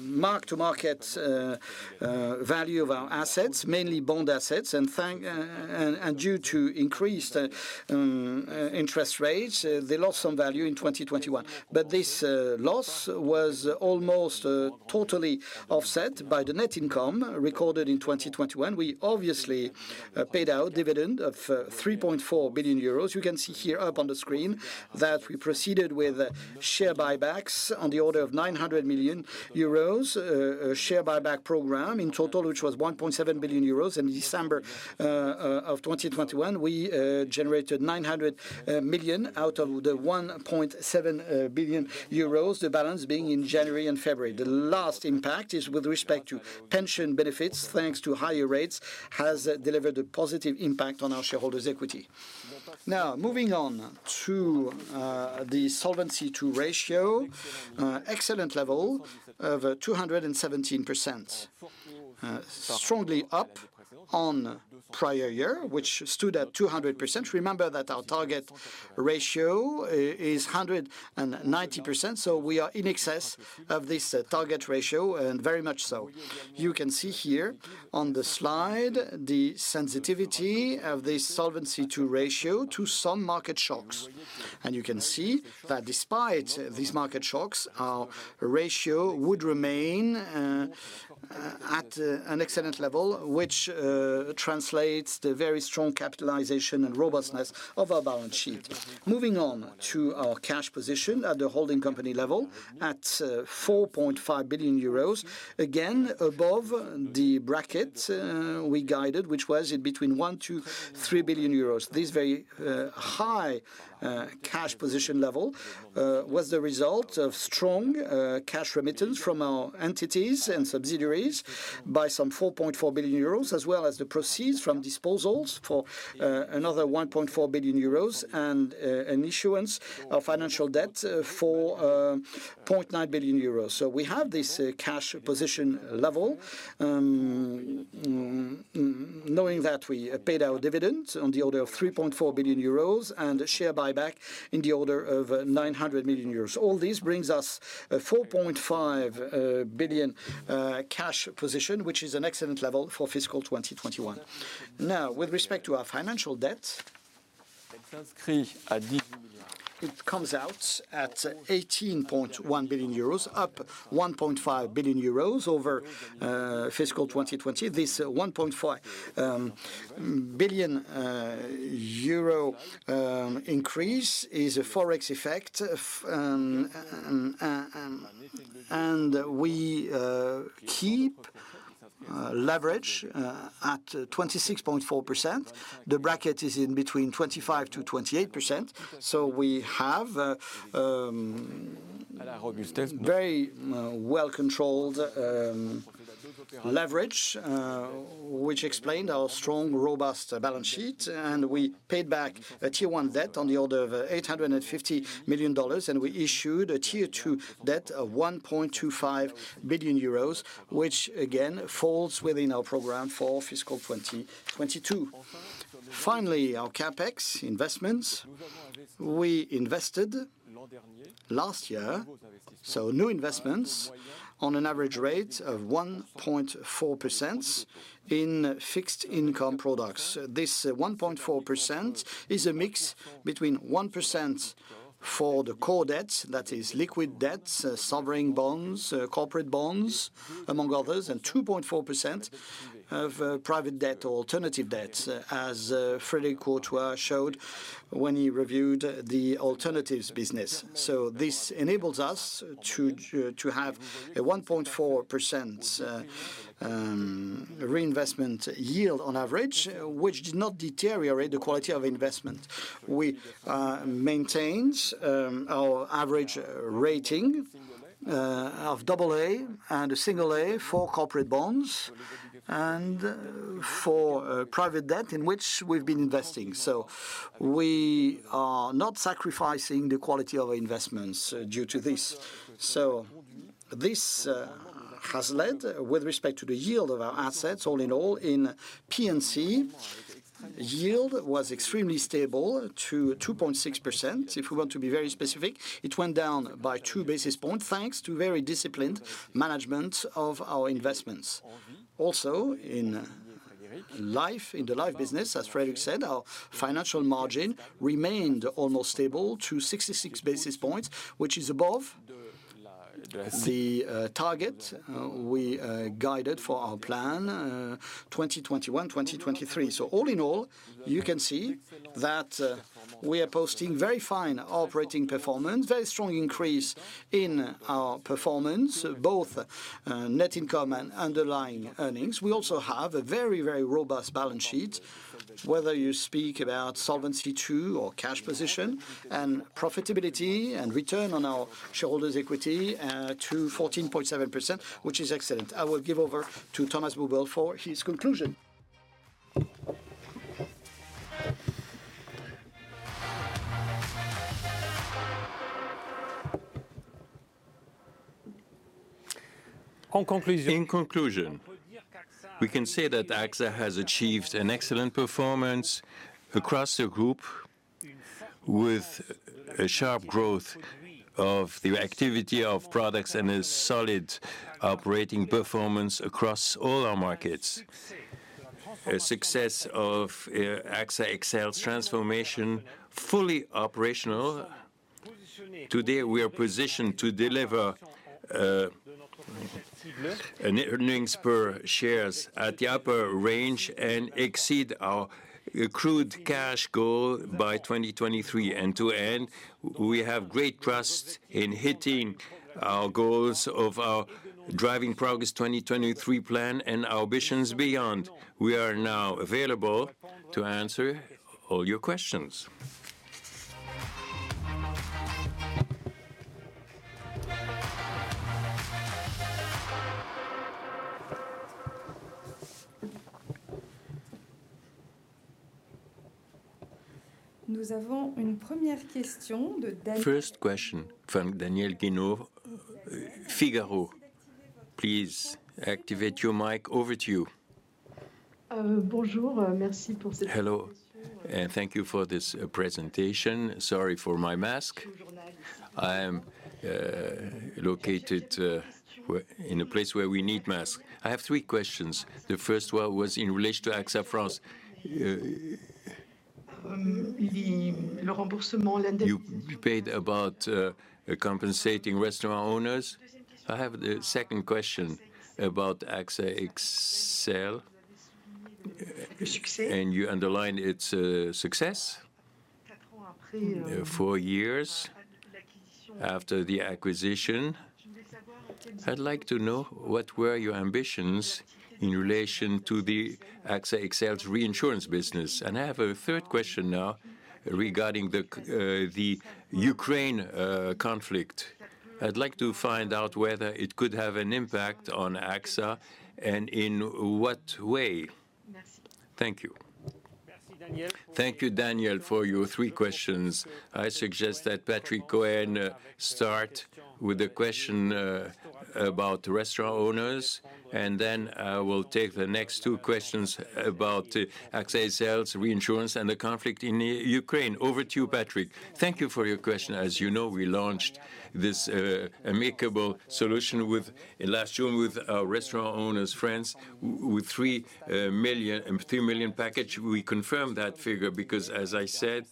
mark to market value of our assets, mainly bond assets, and due to increased interest rates, they lost some value in 2021. This loss was almost totally offset by the net income recorded in 2021. We obviously paid out dividend of 3.4 billion euros. You can see here up on the screen that we proceeded with share buybacks on the order of 900 million euros, a share buyback program in total which was 1.7 billion euros. In December of 2021, we generated 900 million out of the 1.7 billion euros, the balance being in January and February. The last impact is with respect to pension benefits, thanks to higher rates, has delivered a positive impact on our shareholders' equity. Now, moving on to the Solvency II ratio, excellent level of 217%. Strongly up on prior year, which stood at 200%. Remember that our target ratio is 190%, so we are in excess of this target ratio, and very much so. You can see here on the slide the sensitivity of this Solvency II ratio to some market shocks. You can see that despite these market shocks, our ratio would remain at an excellent level, which translates the very strong capitalization and robustness of our balance sheet. Moving on to our cash position at the holding company level, at 4.5 billion euros, again, above the bracket we guided, which was between 1 billion-3 billion euros. This very high cash position level was the result of strong cash remittance from our entities and subsidiaries by some 4.4 billion euros, as well as the proceeds from disposals for another 1.4 billion euros and an issuance of financial debt of 4.9 billion euros. We have this cash position level knowing that we paid our dividends on the order of 3.4 billion euros and a share buyback in the order of 900 million euros. All this brings us a 4.5 billion cash position, which is an excellent level for fiscal 2021. Now, with respect to our financial debt, it comes out at 18.1 billion euros, up 1.5 billion euros over fiscal 2020. This 1.5 billion euro increase is a Forex effect and we keep leverage at 26.4%. The bracket is in between 25%-28%. We have very well-controlled leverage which explained our strong, robust balance sheet. We paid back a Tier 1 debt on the order of $850 million, and we issued a Tier 2 debt of 1.25 billion euros, which again falls within our program for fiscal 2022. Finally, our CapEx investments. We invested last year, so new investments on an average rate of 1.4% in fixed income products. This 1.4% is a mix between 1% for the core debt, that is liquid debt, sovereign bonds, corporate bonds, among others, and 2.4% of private debt or alternative debt, as Frédéric de Courtois showed when he reviewed the alternatives business. This enables us to have a 1.4% reinvestment yield on average, which did not deteriorate the quality of investment. We maintained our average rating of double A and a single A for corporate bonds and for private debt in which we've been investing. We are not sacrificing the quality of our investments due to this. This has led, with respect to the yield of our assets, all in all, in P&C, yield was extremely stable to 2.6%. If we want to be very specific, it went down by 2 basis points, thanks to very disciplined management of our investments. Also, in life, in the life business, as Frédéric said, our financial margin remained almost stable to 66 basis points, which is above the target we guided for our plan 2021-2023. All in all, you can see that we are posting very fine operating performance, very strong increase in our performance, both net income and underlying earnings. We also have a very, very robust balance sheet, whether you speak about Solvency II or cash position and profitability and return on our shareholders' equity to 14.7%, which is excellent. I will give over to Thomas Buberl for his conclusion. In conclusion, we can say that AXA has achieved an excellent performance across the group with a sharp growth of the activity of products and a solid operating performance across all our markets. A success of AXA XL's transformation, fully operational. Today, we are positioned to deliver an earnings per share at the upper range and exceed our accrued cash goal by 2023. To end, we have great trust in hitting our goals of our Driving Progress 2023 plan and our ambitions beyond. We are now available to answer all your questions. First question from Danièle Guinot, Le Figaro. Please activate your mic. Over to you. Bonjour. Hello, and thank you for this presentation. Sorry for my mask. I am located in a place where we need masks. I have three questions. The first one was in relation to AXA France. You paid about compensating restaurant owners. I have a second question about AXA XL, and you underlined its success. Four years after the acquisition, I'd like to know what were your ambitions in relation to the AXA XL's reinsurance business. I have a third question now regarding the Ukraine conflict. I'd like to find out whether it could have an impact on AXA, and in what way? Thank you. Thank you, Danièle, for your three questions. I suggest that Patrick Cohen start with the question about restaurant owners, and then we'll take the next two questions about AXA XL's reinsurance and the conflict in Ukraine. Over to you, Patrick. Thank you for your question. As you know, we launched this amicable solution last June with Restaurant Owners France with 3 million package. We confirm that figure because, as I said,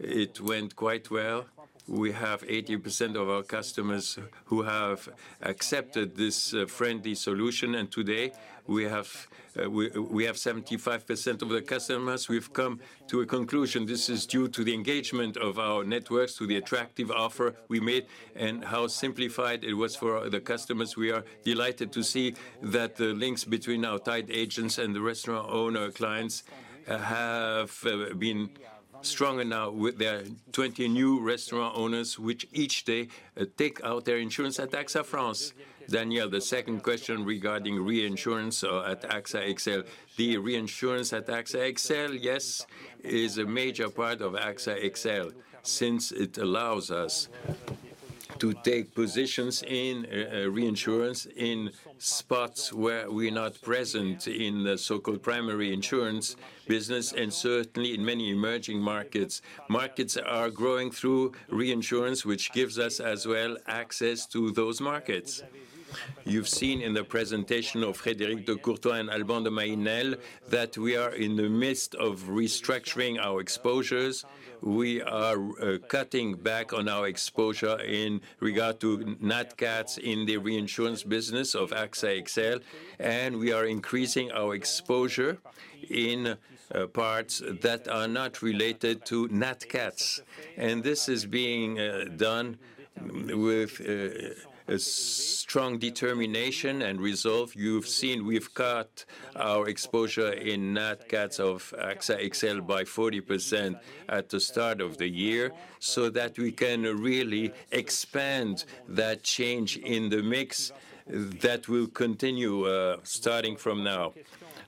it went quite well. We have 80% of our customers who have accepted this friendly solution, and today we have 75% of the customers. We've come to a conclusion. This is due to the engagement of our networks, to the attractive offer we made, and how simplified it was for the customers. We are delighted to see that the links between our tied agents and the restaurant owner clients have been stronger now with their 20 new restaurant owners, which each day take out their insurance at AXA France. Danièle, the second question regarding reinsurance at AXA XL. The reinsurance at AXA XL, yes, is a major part of AXA XL since it allows us to take positions in reinsurance in spots where we're not present in the so-called primary insurance business, and certainly in many emerging markets. Emerging markets are growing through reinsurance, which gives us as well access to those markets. You've seen in the presentation of Frédéric de Courtois and Alban de Mailly-Nesle that we are in the midst of restructuring our exposures. We are cutting back on our exposure in regard to nat cats in the reinsurance business of AXA XL, and we are increasing our exposure in parts that are not related to nat cats. This is being done with a strong determination and resolve. You've seen we've cut our exposure in nat cats of AXA XL by 40% at the start of the year, so that we can really expand that change in the mix. That will continue starting from now.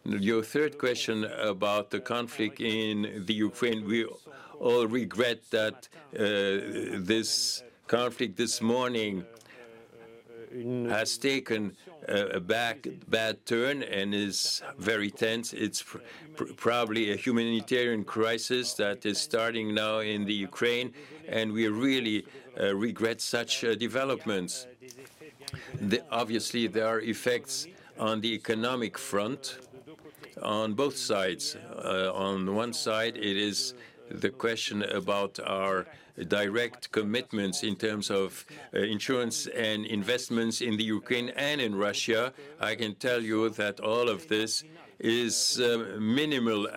Your third question about the conflict in the Ukraine. We all regret that this conflict this morning has taken a bad turn and is very tense. It's probably a humanitarian crisis that is starting now in the Ukraine, and we really regret such developments. Obviously, there are effects on the economic front on both sides. On one side it is the question about our direct commitments in terms of insurance and investments in the Ukraine and in Russia. I can tell you that all of this is minimal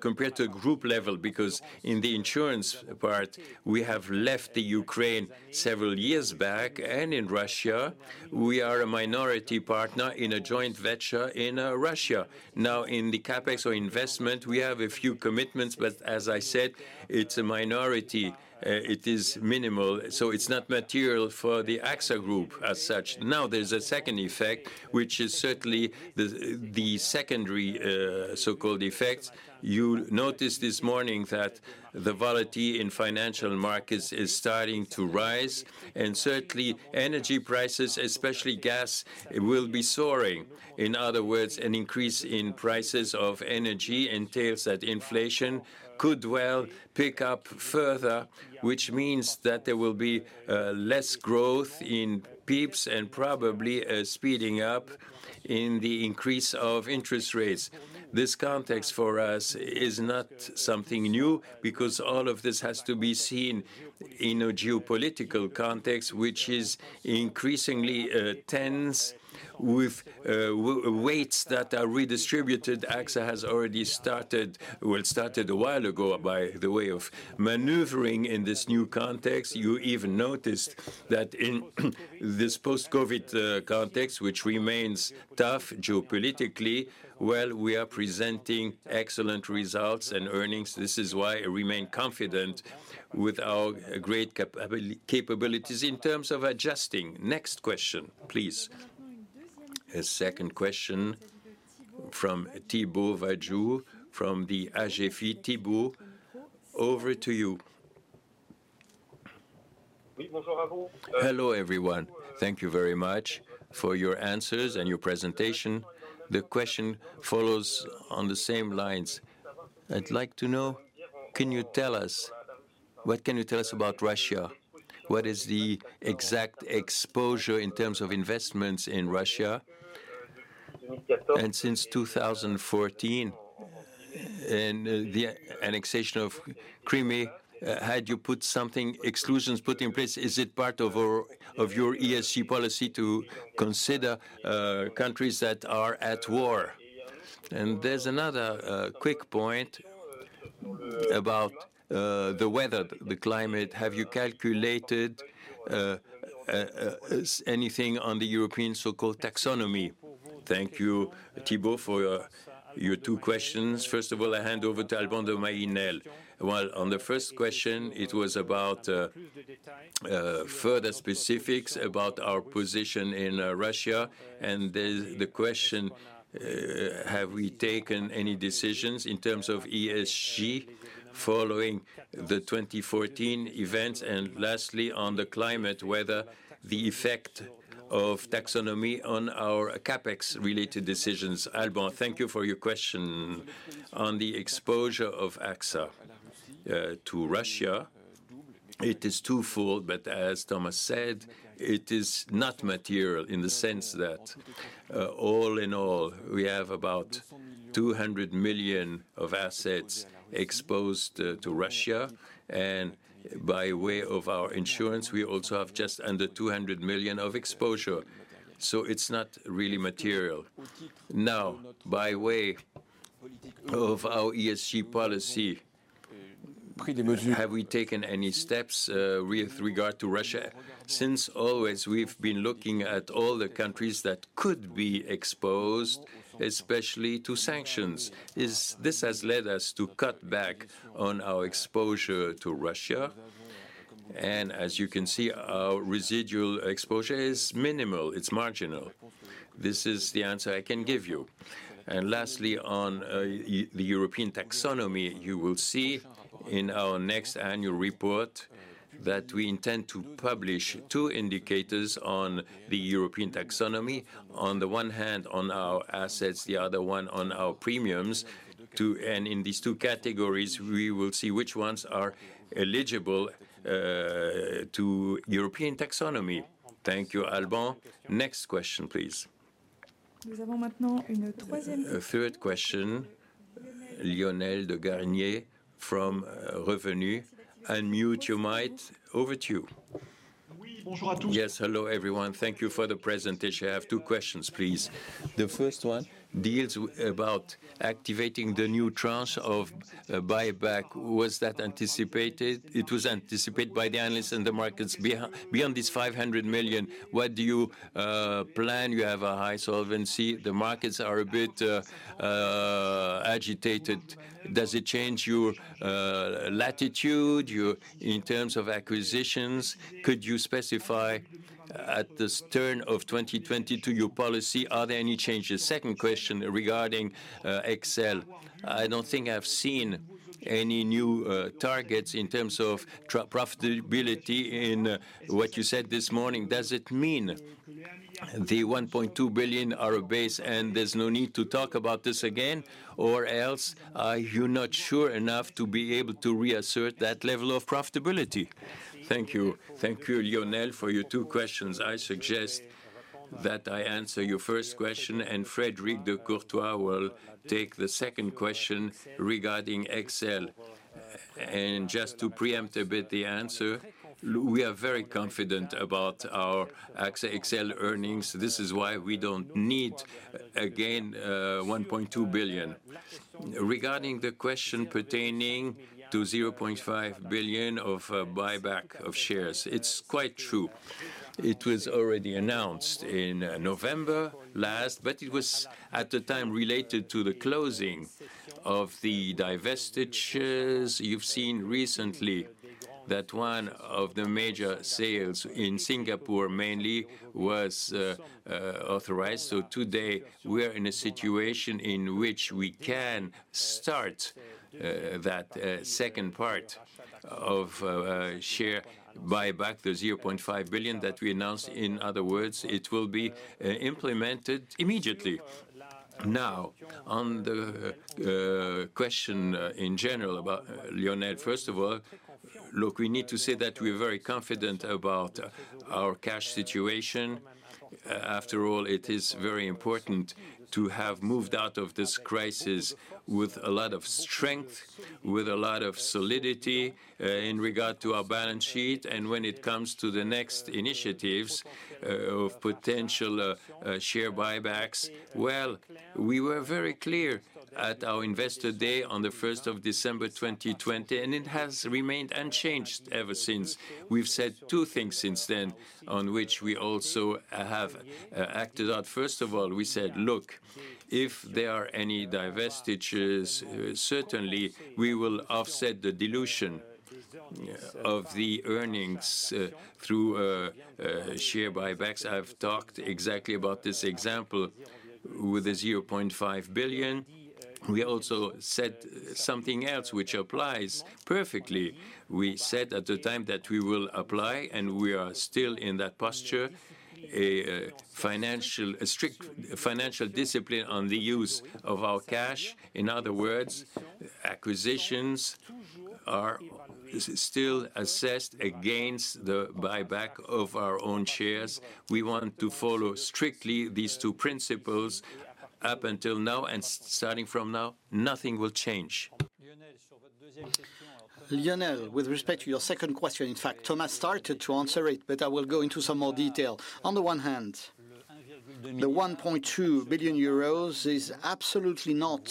compared to group level, because in the insurance part, we have left the Ukraine several years back, and in Russia, we are a minority partner in a joint venture in Russia. Now, in the CapEx or investment, we have a few commitments, but as I said, it's a minority. It is minimal, so it's not material for the AXA Group as such. Now, there's a second effect, which is certainly the secondary so-called effects. You noticed this morning that the volatility in financial markets is starting to rise, and certainly energy prices, especially gas, will be soaring. In other words, an increase in prices of energy entails that inflation could well pick up further, which means that there will be less growth in PIPs and probably a speeding up in the increase of interest rates. This context for us is not something new because all of this has to be seen in a geopolitical context, which is increasingly tense with weights that are redistributed. AXA has already started. Well, it started a while ago by way of maneuvering in this new context. You even noticed that in this post-COVID context, which remains tough geopolitically, well, we are presenting excellent results and earnings. This is why I remain confident with our great capabilities in terms of adjusting. Next question, please. A second question from Thibaud Vadjoux from the L'Agefi. Thibaud, over to you. Hello, everyone. Thank you very much for your answers and your presentation. The question follows on the same lines. I'd like to know what can you tell us about Russia. What is the exact exposure in terms of investments in Russia? And since 2014 and the annexation of Crimea, had you put some exclusions in place? Is it part of your ESG policy to consider countries that are at war? And there's another quick point about the weather, the climate. Have you calculated anything on the European so-called taxonomy? Thank you, Thibault, for your two questions. First of all, I hand over to Alban de Mailly-Nesle. Well, on the first question, it was about further specifics about our position in Russia and the question have we taken any decisions in terms of ESG following the 2014 events. Lastly, on the climate, whether the effect of taxonomy on our CapEx-related decisions. Alban. Thank you for your question. On the exposure of AXA to Russia, it is twofold, but as Thomas said, it is not material in the sense that all in all, we have about 200 million of assets exposed to Russia, and by way of our insurance, we also have just under 200 million of exposure. So it's not really material. Now, by way of our ESG policy, have we taken any steps with regard to Russia? Since always, we've been looking at all the countries that could be exposed, especially to sanctions. This has led us to cut back on our exposure to Russia, and as you can see, our residual exposure is minimal, it's marginal. This is the answer I can give you. Lastly, on the European taxonomy, you will see in our next annual report that we intend to publish two indicators on the European taxonomy. On the one hand, on our assets, the other one on our premiums. In these two categories, we will see which ones are eligible to European taxonomy. Thank you, Alban.Next question, please. A third question, Lionel Garnier from Le Revenu. Unmute your mic. Over to you. Yes. Hello, everyone. Thank you for the presentation. I have two questions, please. The first one deals about activating the new tranche of buyback. Was that anticipated? It was anticipated by the analysts and the markets. Beyond this 500 million, what do you plan? You have a high solvency. The markets are a bit agitated. Does it change your latitude in terms of acquisitions? Could you specify at the turn of 2020 to your policy, are there any changes? Second question regarding AXA XL. I don't think I've seen any new targets in terms of profitability in what you said this morning. Does it mean the 1.2 billion are a base, and there's no need to talk about this again? Or else, are you not sure enough to be able to reassert that level of profitability? Thank you. Thank you, Lionel, for your two questions. I suggest that I answer your first question, and Frédéric de Courtois will take the second question regarding AXA XL. Just to preempt a bit the answer, we are very confident about our AXA XL earnings. This is why we don't need, again, 1.2 billion. Regarding the question pertaining to 0.5 billion of buyback of shares, it's quite true. It was already announced in November last, but it was at the time related to the closing of the divestitures. You've seen recently that one of the major sales in Singapore mainly was authorized. Today, we are in a situation in which we can start that second part of share buyback, the 0.5 billion that we announced. In other words, it will be implemented immediately. Now, on the question in general about Lionel, first of all, look, we need to say that we're very confident about our cash situation. After all, it is very important to have moved out of this crisis with a lot of strength, with a lot of solidity in regard to our balance sheet. When it comes to the next initiatives of potential share buybacks, well, we were very clear at our investor day on the 1st of December, 2020, and it has remained unchanged ever since. We've said two things since then on which we also have acted on. First of all, we said, "Look, if there are any divestitures, certainly we will offset the dilution of the earnings through share buybacks." I've talked exactly about this example with the 0.5 billion. We also said something else which applies perfectly. We said at the time that we will apply, and we are still in that posture, a strict financial discipline on the use of our cash. In other words, acquisitions are still assessed against the buyback of our own shares. We want to follow strictly these two principles up until now, and starting from now nothing will change. Lionel, with respect to your second question, in fact, Thomas Buberl started to answer it, but I will go into some more detail. On the one hand, the 1.2 billion euros is absolutely not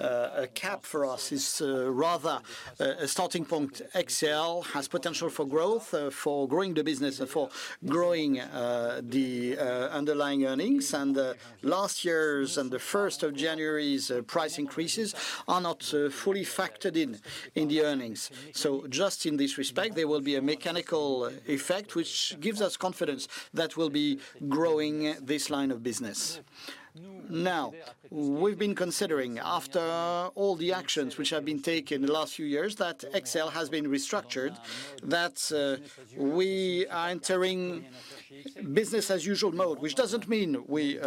a cap for us. It's rather a starting point. XL has potential for growth for growing the business and for growing the underlying earnings. Last year's and the 1st of January's price increases are not fully factored in the earnings. So just in this respect, there will be a mechanical effect which gives us confidence that we'll be growing this line of business. Now, we've been considering, after all the actions which have been taken the last few years, that XL has been restructured, that we are entering business as usual mode. Which doesn't mean we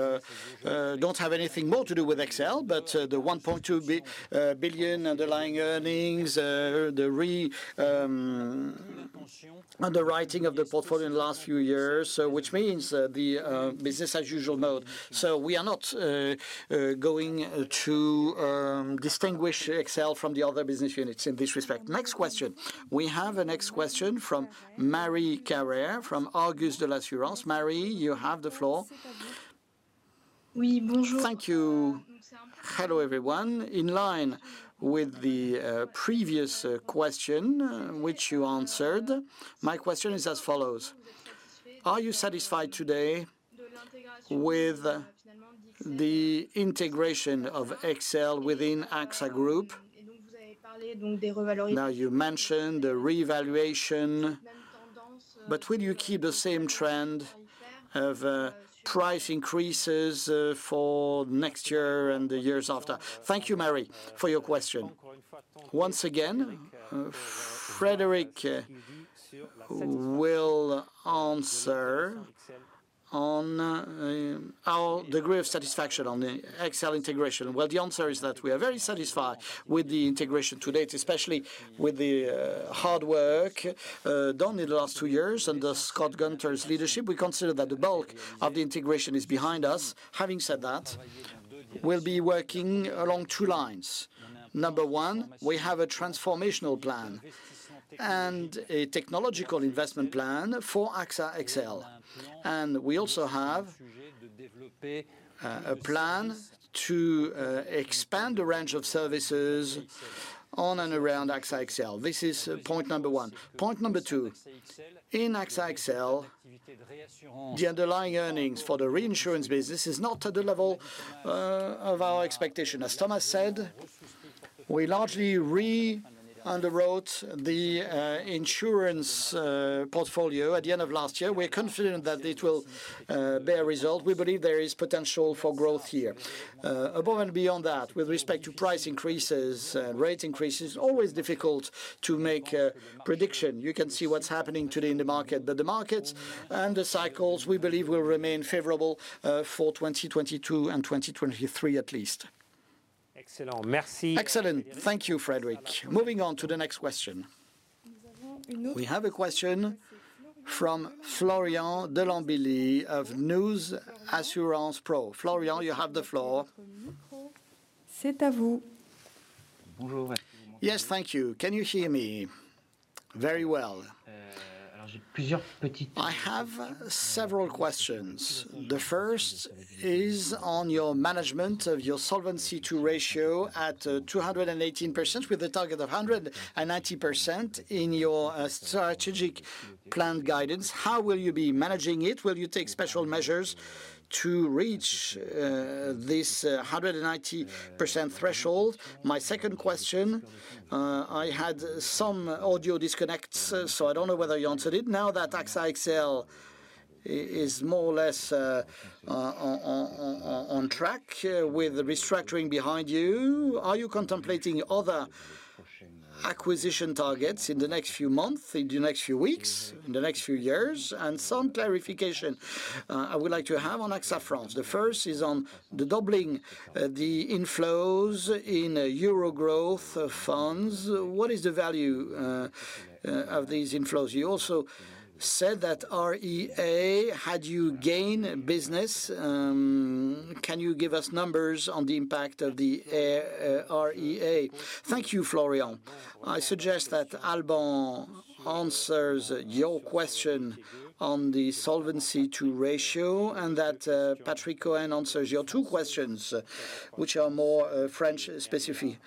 don't have anything more to do with XL, but the 1.2 billion underlying earnings, the reunderwriting of the portfolio in the last few years, which means the business as usual mode. We are not going to distinguish XL from the other business units in this respect. Next question. We have a next question from Marie-Caroline Carrère from Argus de l'Assurance. Marie, you have the floor. Thank you. Hello, everyone. In line with the previous question which you answered, my question is as follows: Are you satisfied today with the integration of XL within AXA Group? Now, you mentioned the reunderwriting, but will you keep the same trend of price increases for next year and the years after? Thank you, Marie, for your question. Once again, Frédéric will answer on our degree of satisfaction on the XL integration. Well, the answer is that we are very satisfied with the integration to date, especially with the hard work done in the last two years under Scott Gunter's leadership. We consider that the bulk of the integration is behind us. Having said that, we'll be working along two lines. Number one, we have a transformational plan and a technological investment plan for AXA XL, and we also have a plan to expand the range of services on and around AXA XL. This is point number one. Point number two, in AXA XL, the underlying earnings for the reinsurance business is not at the level of our expectation. As Thomas said, we largely re-underwrote the insurance portfolio at the end of last year. We're confident that it will bear fruit. We believe there is potential for growth here. Above and beyond that, with respect to price increases, rate increases always difficult to make a prediction. You can see what's happening today in the market. The markets and the cycles, we believe, will remain favorable for 2022 and 2023 at least. Excellent. Thank you, Frédéric. Moving on to the next question. We have a question from Florian Delambily of News Assurances Pro. Florian, you have the floor. Yes. Thank you. Can you hear me? Very well. I have several questions. The first is on your management of your Solvency II ratio at 218% with a target of 190% in your strategic plan guidance. How will you be managing it? Will you take special measures to reach this 190% threshold? My second question, I had some audio disconnects, so I don't know whether you answered it. Now that AXA XL is more or less on track with the restructuring behind you, are you contemplating other acquisition targets in the next few months, in the next few weeks, in the next few years. Some clarification I would like to have on AXA France. The first is on the doubling of the inflows in Euro Croissance funds. What is the value of these inflows? You also said that RIA had you gain business. Can you give us numbers on the impact of the RIA? Thank you, Florian Delambily. I suggest that Alban de Mailly-Nesle answers your question on the Solvency II ratio and that Patrick Cohen answers your two questions, which are more French specific.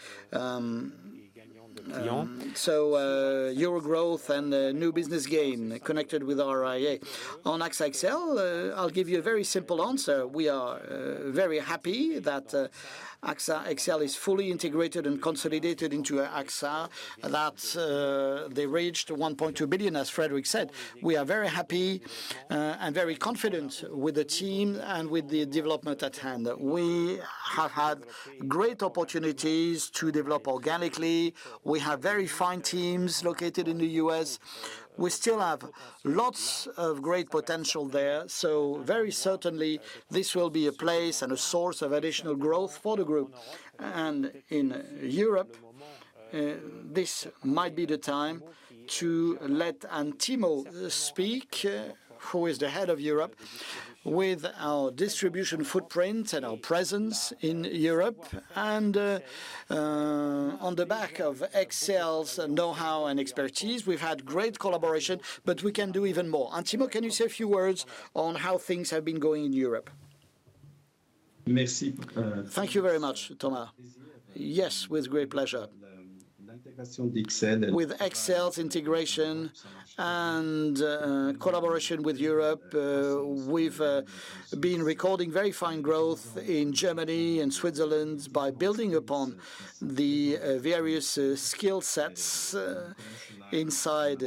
Euro Croissance and new business gain connected with RIA. On AXA XL, I'll give you a very simple answer. We are very happy that AXA XL is fully integrated and consolidated into AXA, that they reached 1.2 billion as Frédéric de Courtois said. We are very happy and very confident with the team and with the development at hand. We have had great opportunities to develop organically. We have very fine teams located in the U.S.. We still have lots of great potential there, so very certainly this will be a place and a source of additional growth for the group. In Europe, this might be the time to let Antimo speak, who is the Head of Europe, with our distribution footprint and our presence in Europe. On the back of XL's know-how and expertise, we've had great collaboration, but we can do even more. Antimo, can you say a few words on how things have been going in Europe? Thank you very much, Thomas. Yes, with great pleasure. With XL's integration and collaboration with Europe, we've been recording very fine growth in Germany and Switzerland by building upon the various skill sets inside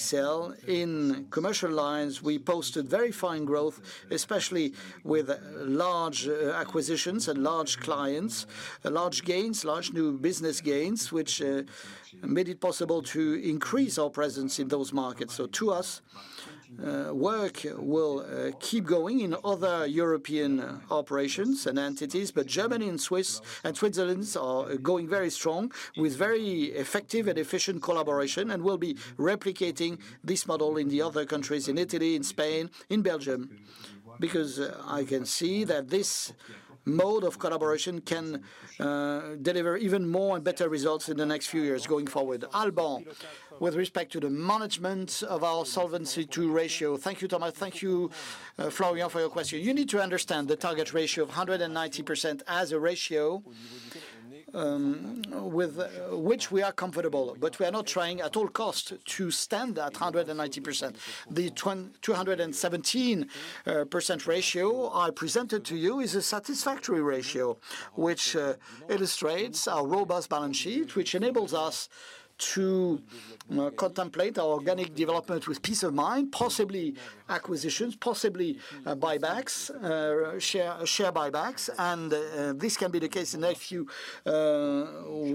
XL. In commercial lines, we posted very fine growth, especially with large acquisitions and large clients, large gains, large new business gains, which made it possible to increase our presence in those markets. To us, work will keep going in other European operations and entities, but Germany and Switzerland are going very strong with very effective and efficient collaboration, and we'll be replicating this model in the other countries, in Italy, in Spain, in Belgium, because I can see that this model of collaboration can deliver even more and better results in the next few years going forward. Alban, with respect to the management of our Solvency II ratio. Thank you, Thomas. Thank you, Florian, for your question. You need to understand the target ratio of 100% as a ratio with which we are comfortable, but we are not trying at all cost to stand at 100%. The 217% ratio I presented to you is a satisfactory ratio which illustrates our robust balance sheet, which enables us to contemplate our organic development with peace of mind, possibly acquisitions, possibly buybacks, share buybacks. This can be the case in the next few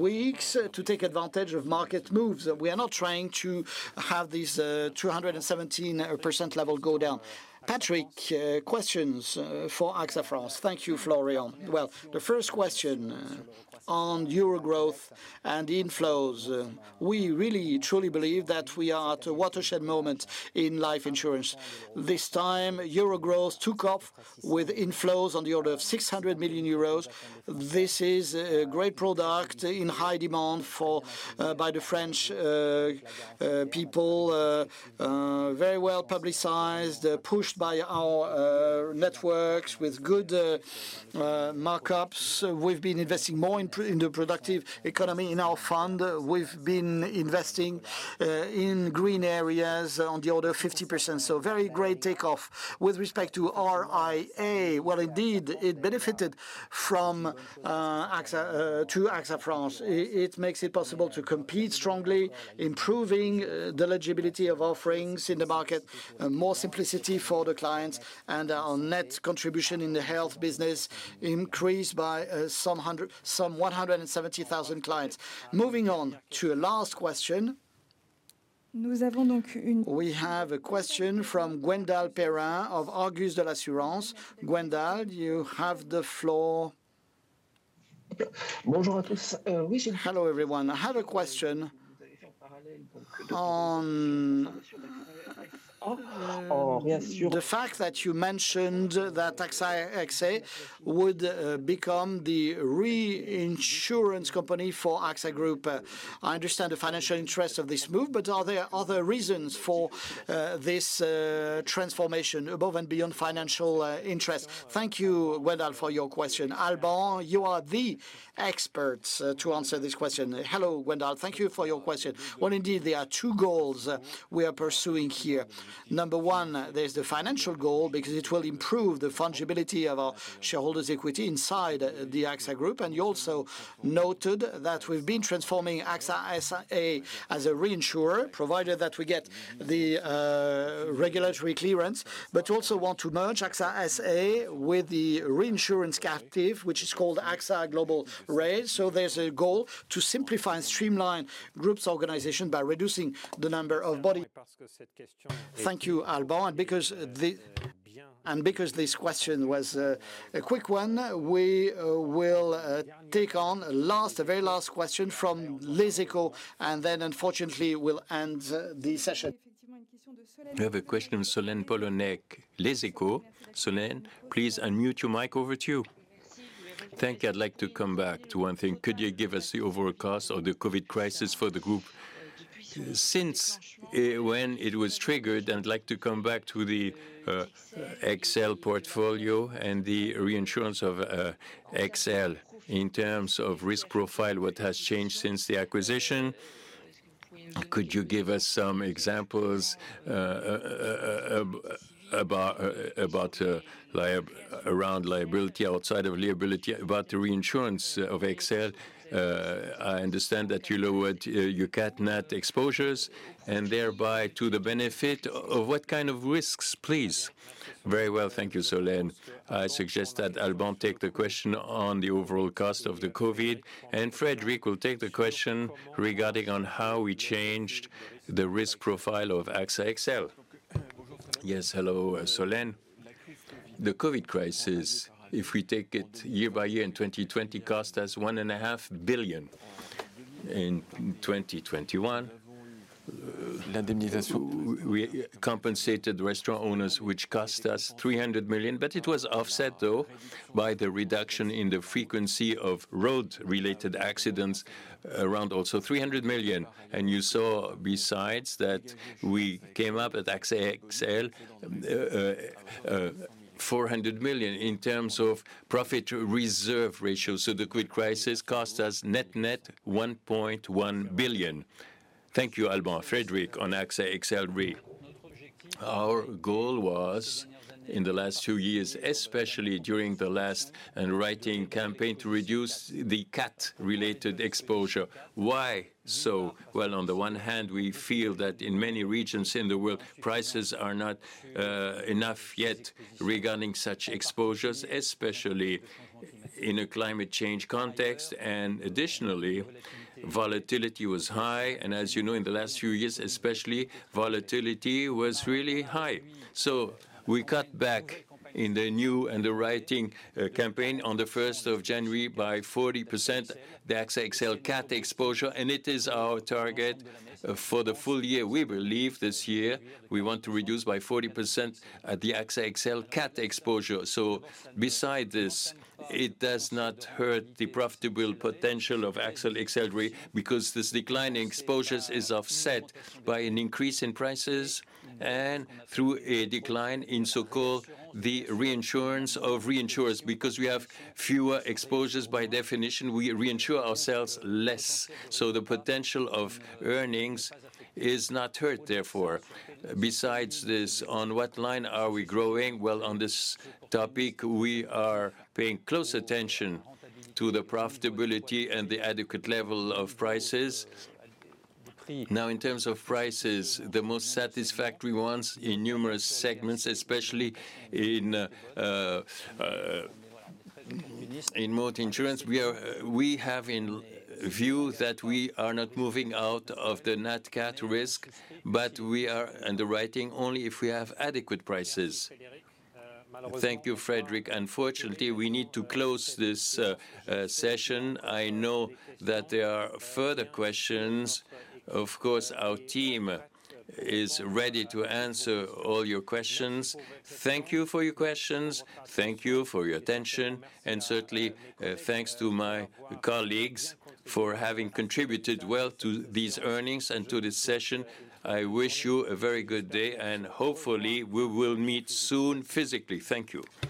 weeks to take advantage of market moves. We are not trying to have this 217% level go down. Patrick questions for AXA France. Thank you, Florian. Well, the first question on Euro Croissance and inflows. We really truly believe that we are at a watershed moment in life insurance. This time, Euro Croissance took off with inflows on the order of 600 million euros. This is a great product in high demand by the French people, very well publicized, pushed by our networks with good markups. We've been investing more in the productive economy in our fund. We've been investing in green areas on the order of 50%, so very great takeoff. With respect to RIA, it benefited from AXA to AXA France. It makes it possible to compete strongly, improving the legibility of offerings in the market, more simplicity for the clients, and our net contribution in the health business increased by 170,000 clients. Moving on to a last question. We have a question from Gwendal Perrin of Argus de l'Assurance. Gwendal, you have the floor. Hello everyone. I have a question on the fact that you mentioned that AXA XL would become the reinsurance company for AXA Group. I understand the financial interest of this move, but are there other reasons for this transformation above and beyond financial interest? Thank you, Gwendal, for your question. Alban, you are the expert to answer this question. Hello, Gwendal. Thank you for your question. Well, indeed, there are two goals we are pursuing here. Number one, there's the financial goal because it will improve the fungibility of our shareholders' equity inside the AXA Group. You also noted that we've been transforming AXA SA as a reinsurer, provided that we get the regulatory clearance, but also want to merge AXA SA with the reinsurance captive, which is called AXA Global Re. There's a goal to simplify and streamline group's organization by reducing the number of body- Thank you, Alban. Because this question was a quick one, we will take on a very last question from Les Echos, and then unfortunately we'll end the session. We have a question from Solène Poloni, Les Echos. Solène, please unmute your mic. Over to you. Thank you. I'd like to come back to one thing. Could you give us the overall cost of the COVID crisis for the group since when it was triggered? I'd like to come back to the XL portfolio and the reinsurance of XL. In terms of risk profile, what has changed since the acquisition? Could you give us some examples about liability, outside of liability, about the reinsurance of XL? I understand that you lowered your Nat Cat net exposures and thereby to the benefit of what kind of risks, please? Very well. Thank you, Solène. I suggest that Alban take the question on the overall cost of the COVID, and Frédéric will take the question regarding on how we changed the risk profile of AXA XL. Yes, hello, Solène. The COVID crisis, if we take it year by year, in 2020 cost us 1.5 billion. In 2021 we compensated restaurant owners, which cost us 300 million. But it was offset though by the reduction in the frequency of road-related accidents, around also 300 million. You saw besides that we came up with AXA XL 400 million in terms of combined ratio. So the COVID crisis cost us net-net 1.1 billion. Thank you, Alban. Frédéric, on AXA XL Reinsurance. Our goal was, in the last two years, especially during the last underwriting campaign, to reduce the cat-related exposure. Why so? Well, on the one hand, we feel that in many regions in the world, prices are not enough yet regarding such exposures, especially in a climate change context. Additionally, volatility was high, and as you know, in the last few years especially, volatility was really high. We cut back in the new underwriting campaign on the first of January by 40% the AXA XL cat exposure, and it is our target for the full year. We believe this year we want to reduce by 40% the AXA XL cat exposure. Beside this, it does not hurt the profitable potential of AXA XL Reinsurance because this decline in exposures is offset by an increase in prices and through a decline in so-called the reinsurance of reinsurers. Because we have fewer exposures, by definition, we reinsure ourselves less, so the potential of earnings is not hurt therefore. Besides this, on what line are we growing? Well, on this topic, we are paying close attention to the profitability and the adequate level of prices. Now, in terms of prices, the most satisfactory ones in numerous segments, especially in motor insurance, we have in view that we are not moving out of the Nat Cat risk, but we are underwriting only if we have adequate prices. Thank you, Frédéric. Unfortunately, we need to close this session. I know that there are further questions. Of course, our team is ready to answer all your questions. Thank you for your questions. Thank you for your attention. Certainly, thanks to my colleagues for having contributed well to these earnings and to this session. I wish you a very good day, and hopefully we will meet soon physically. Thank you.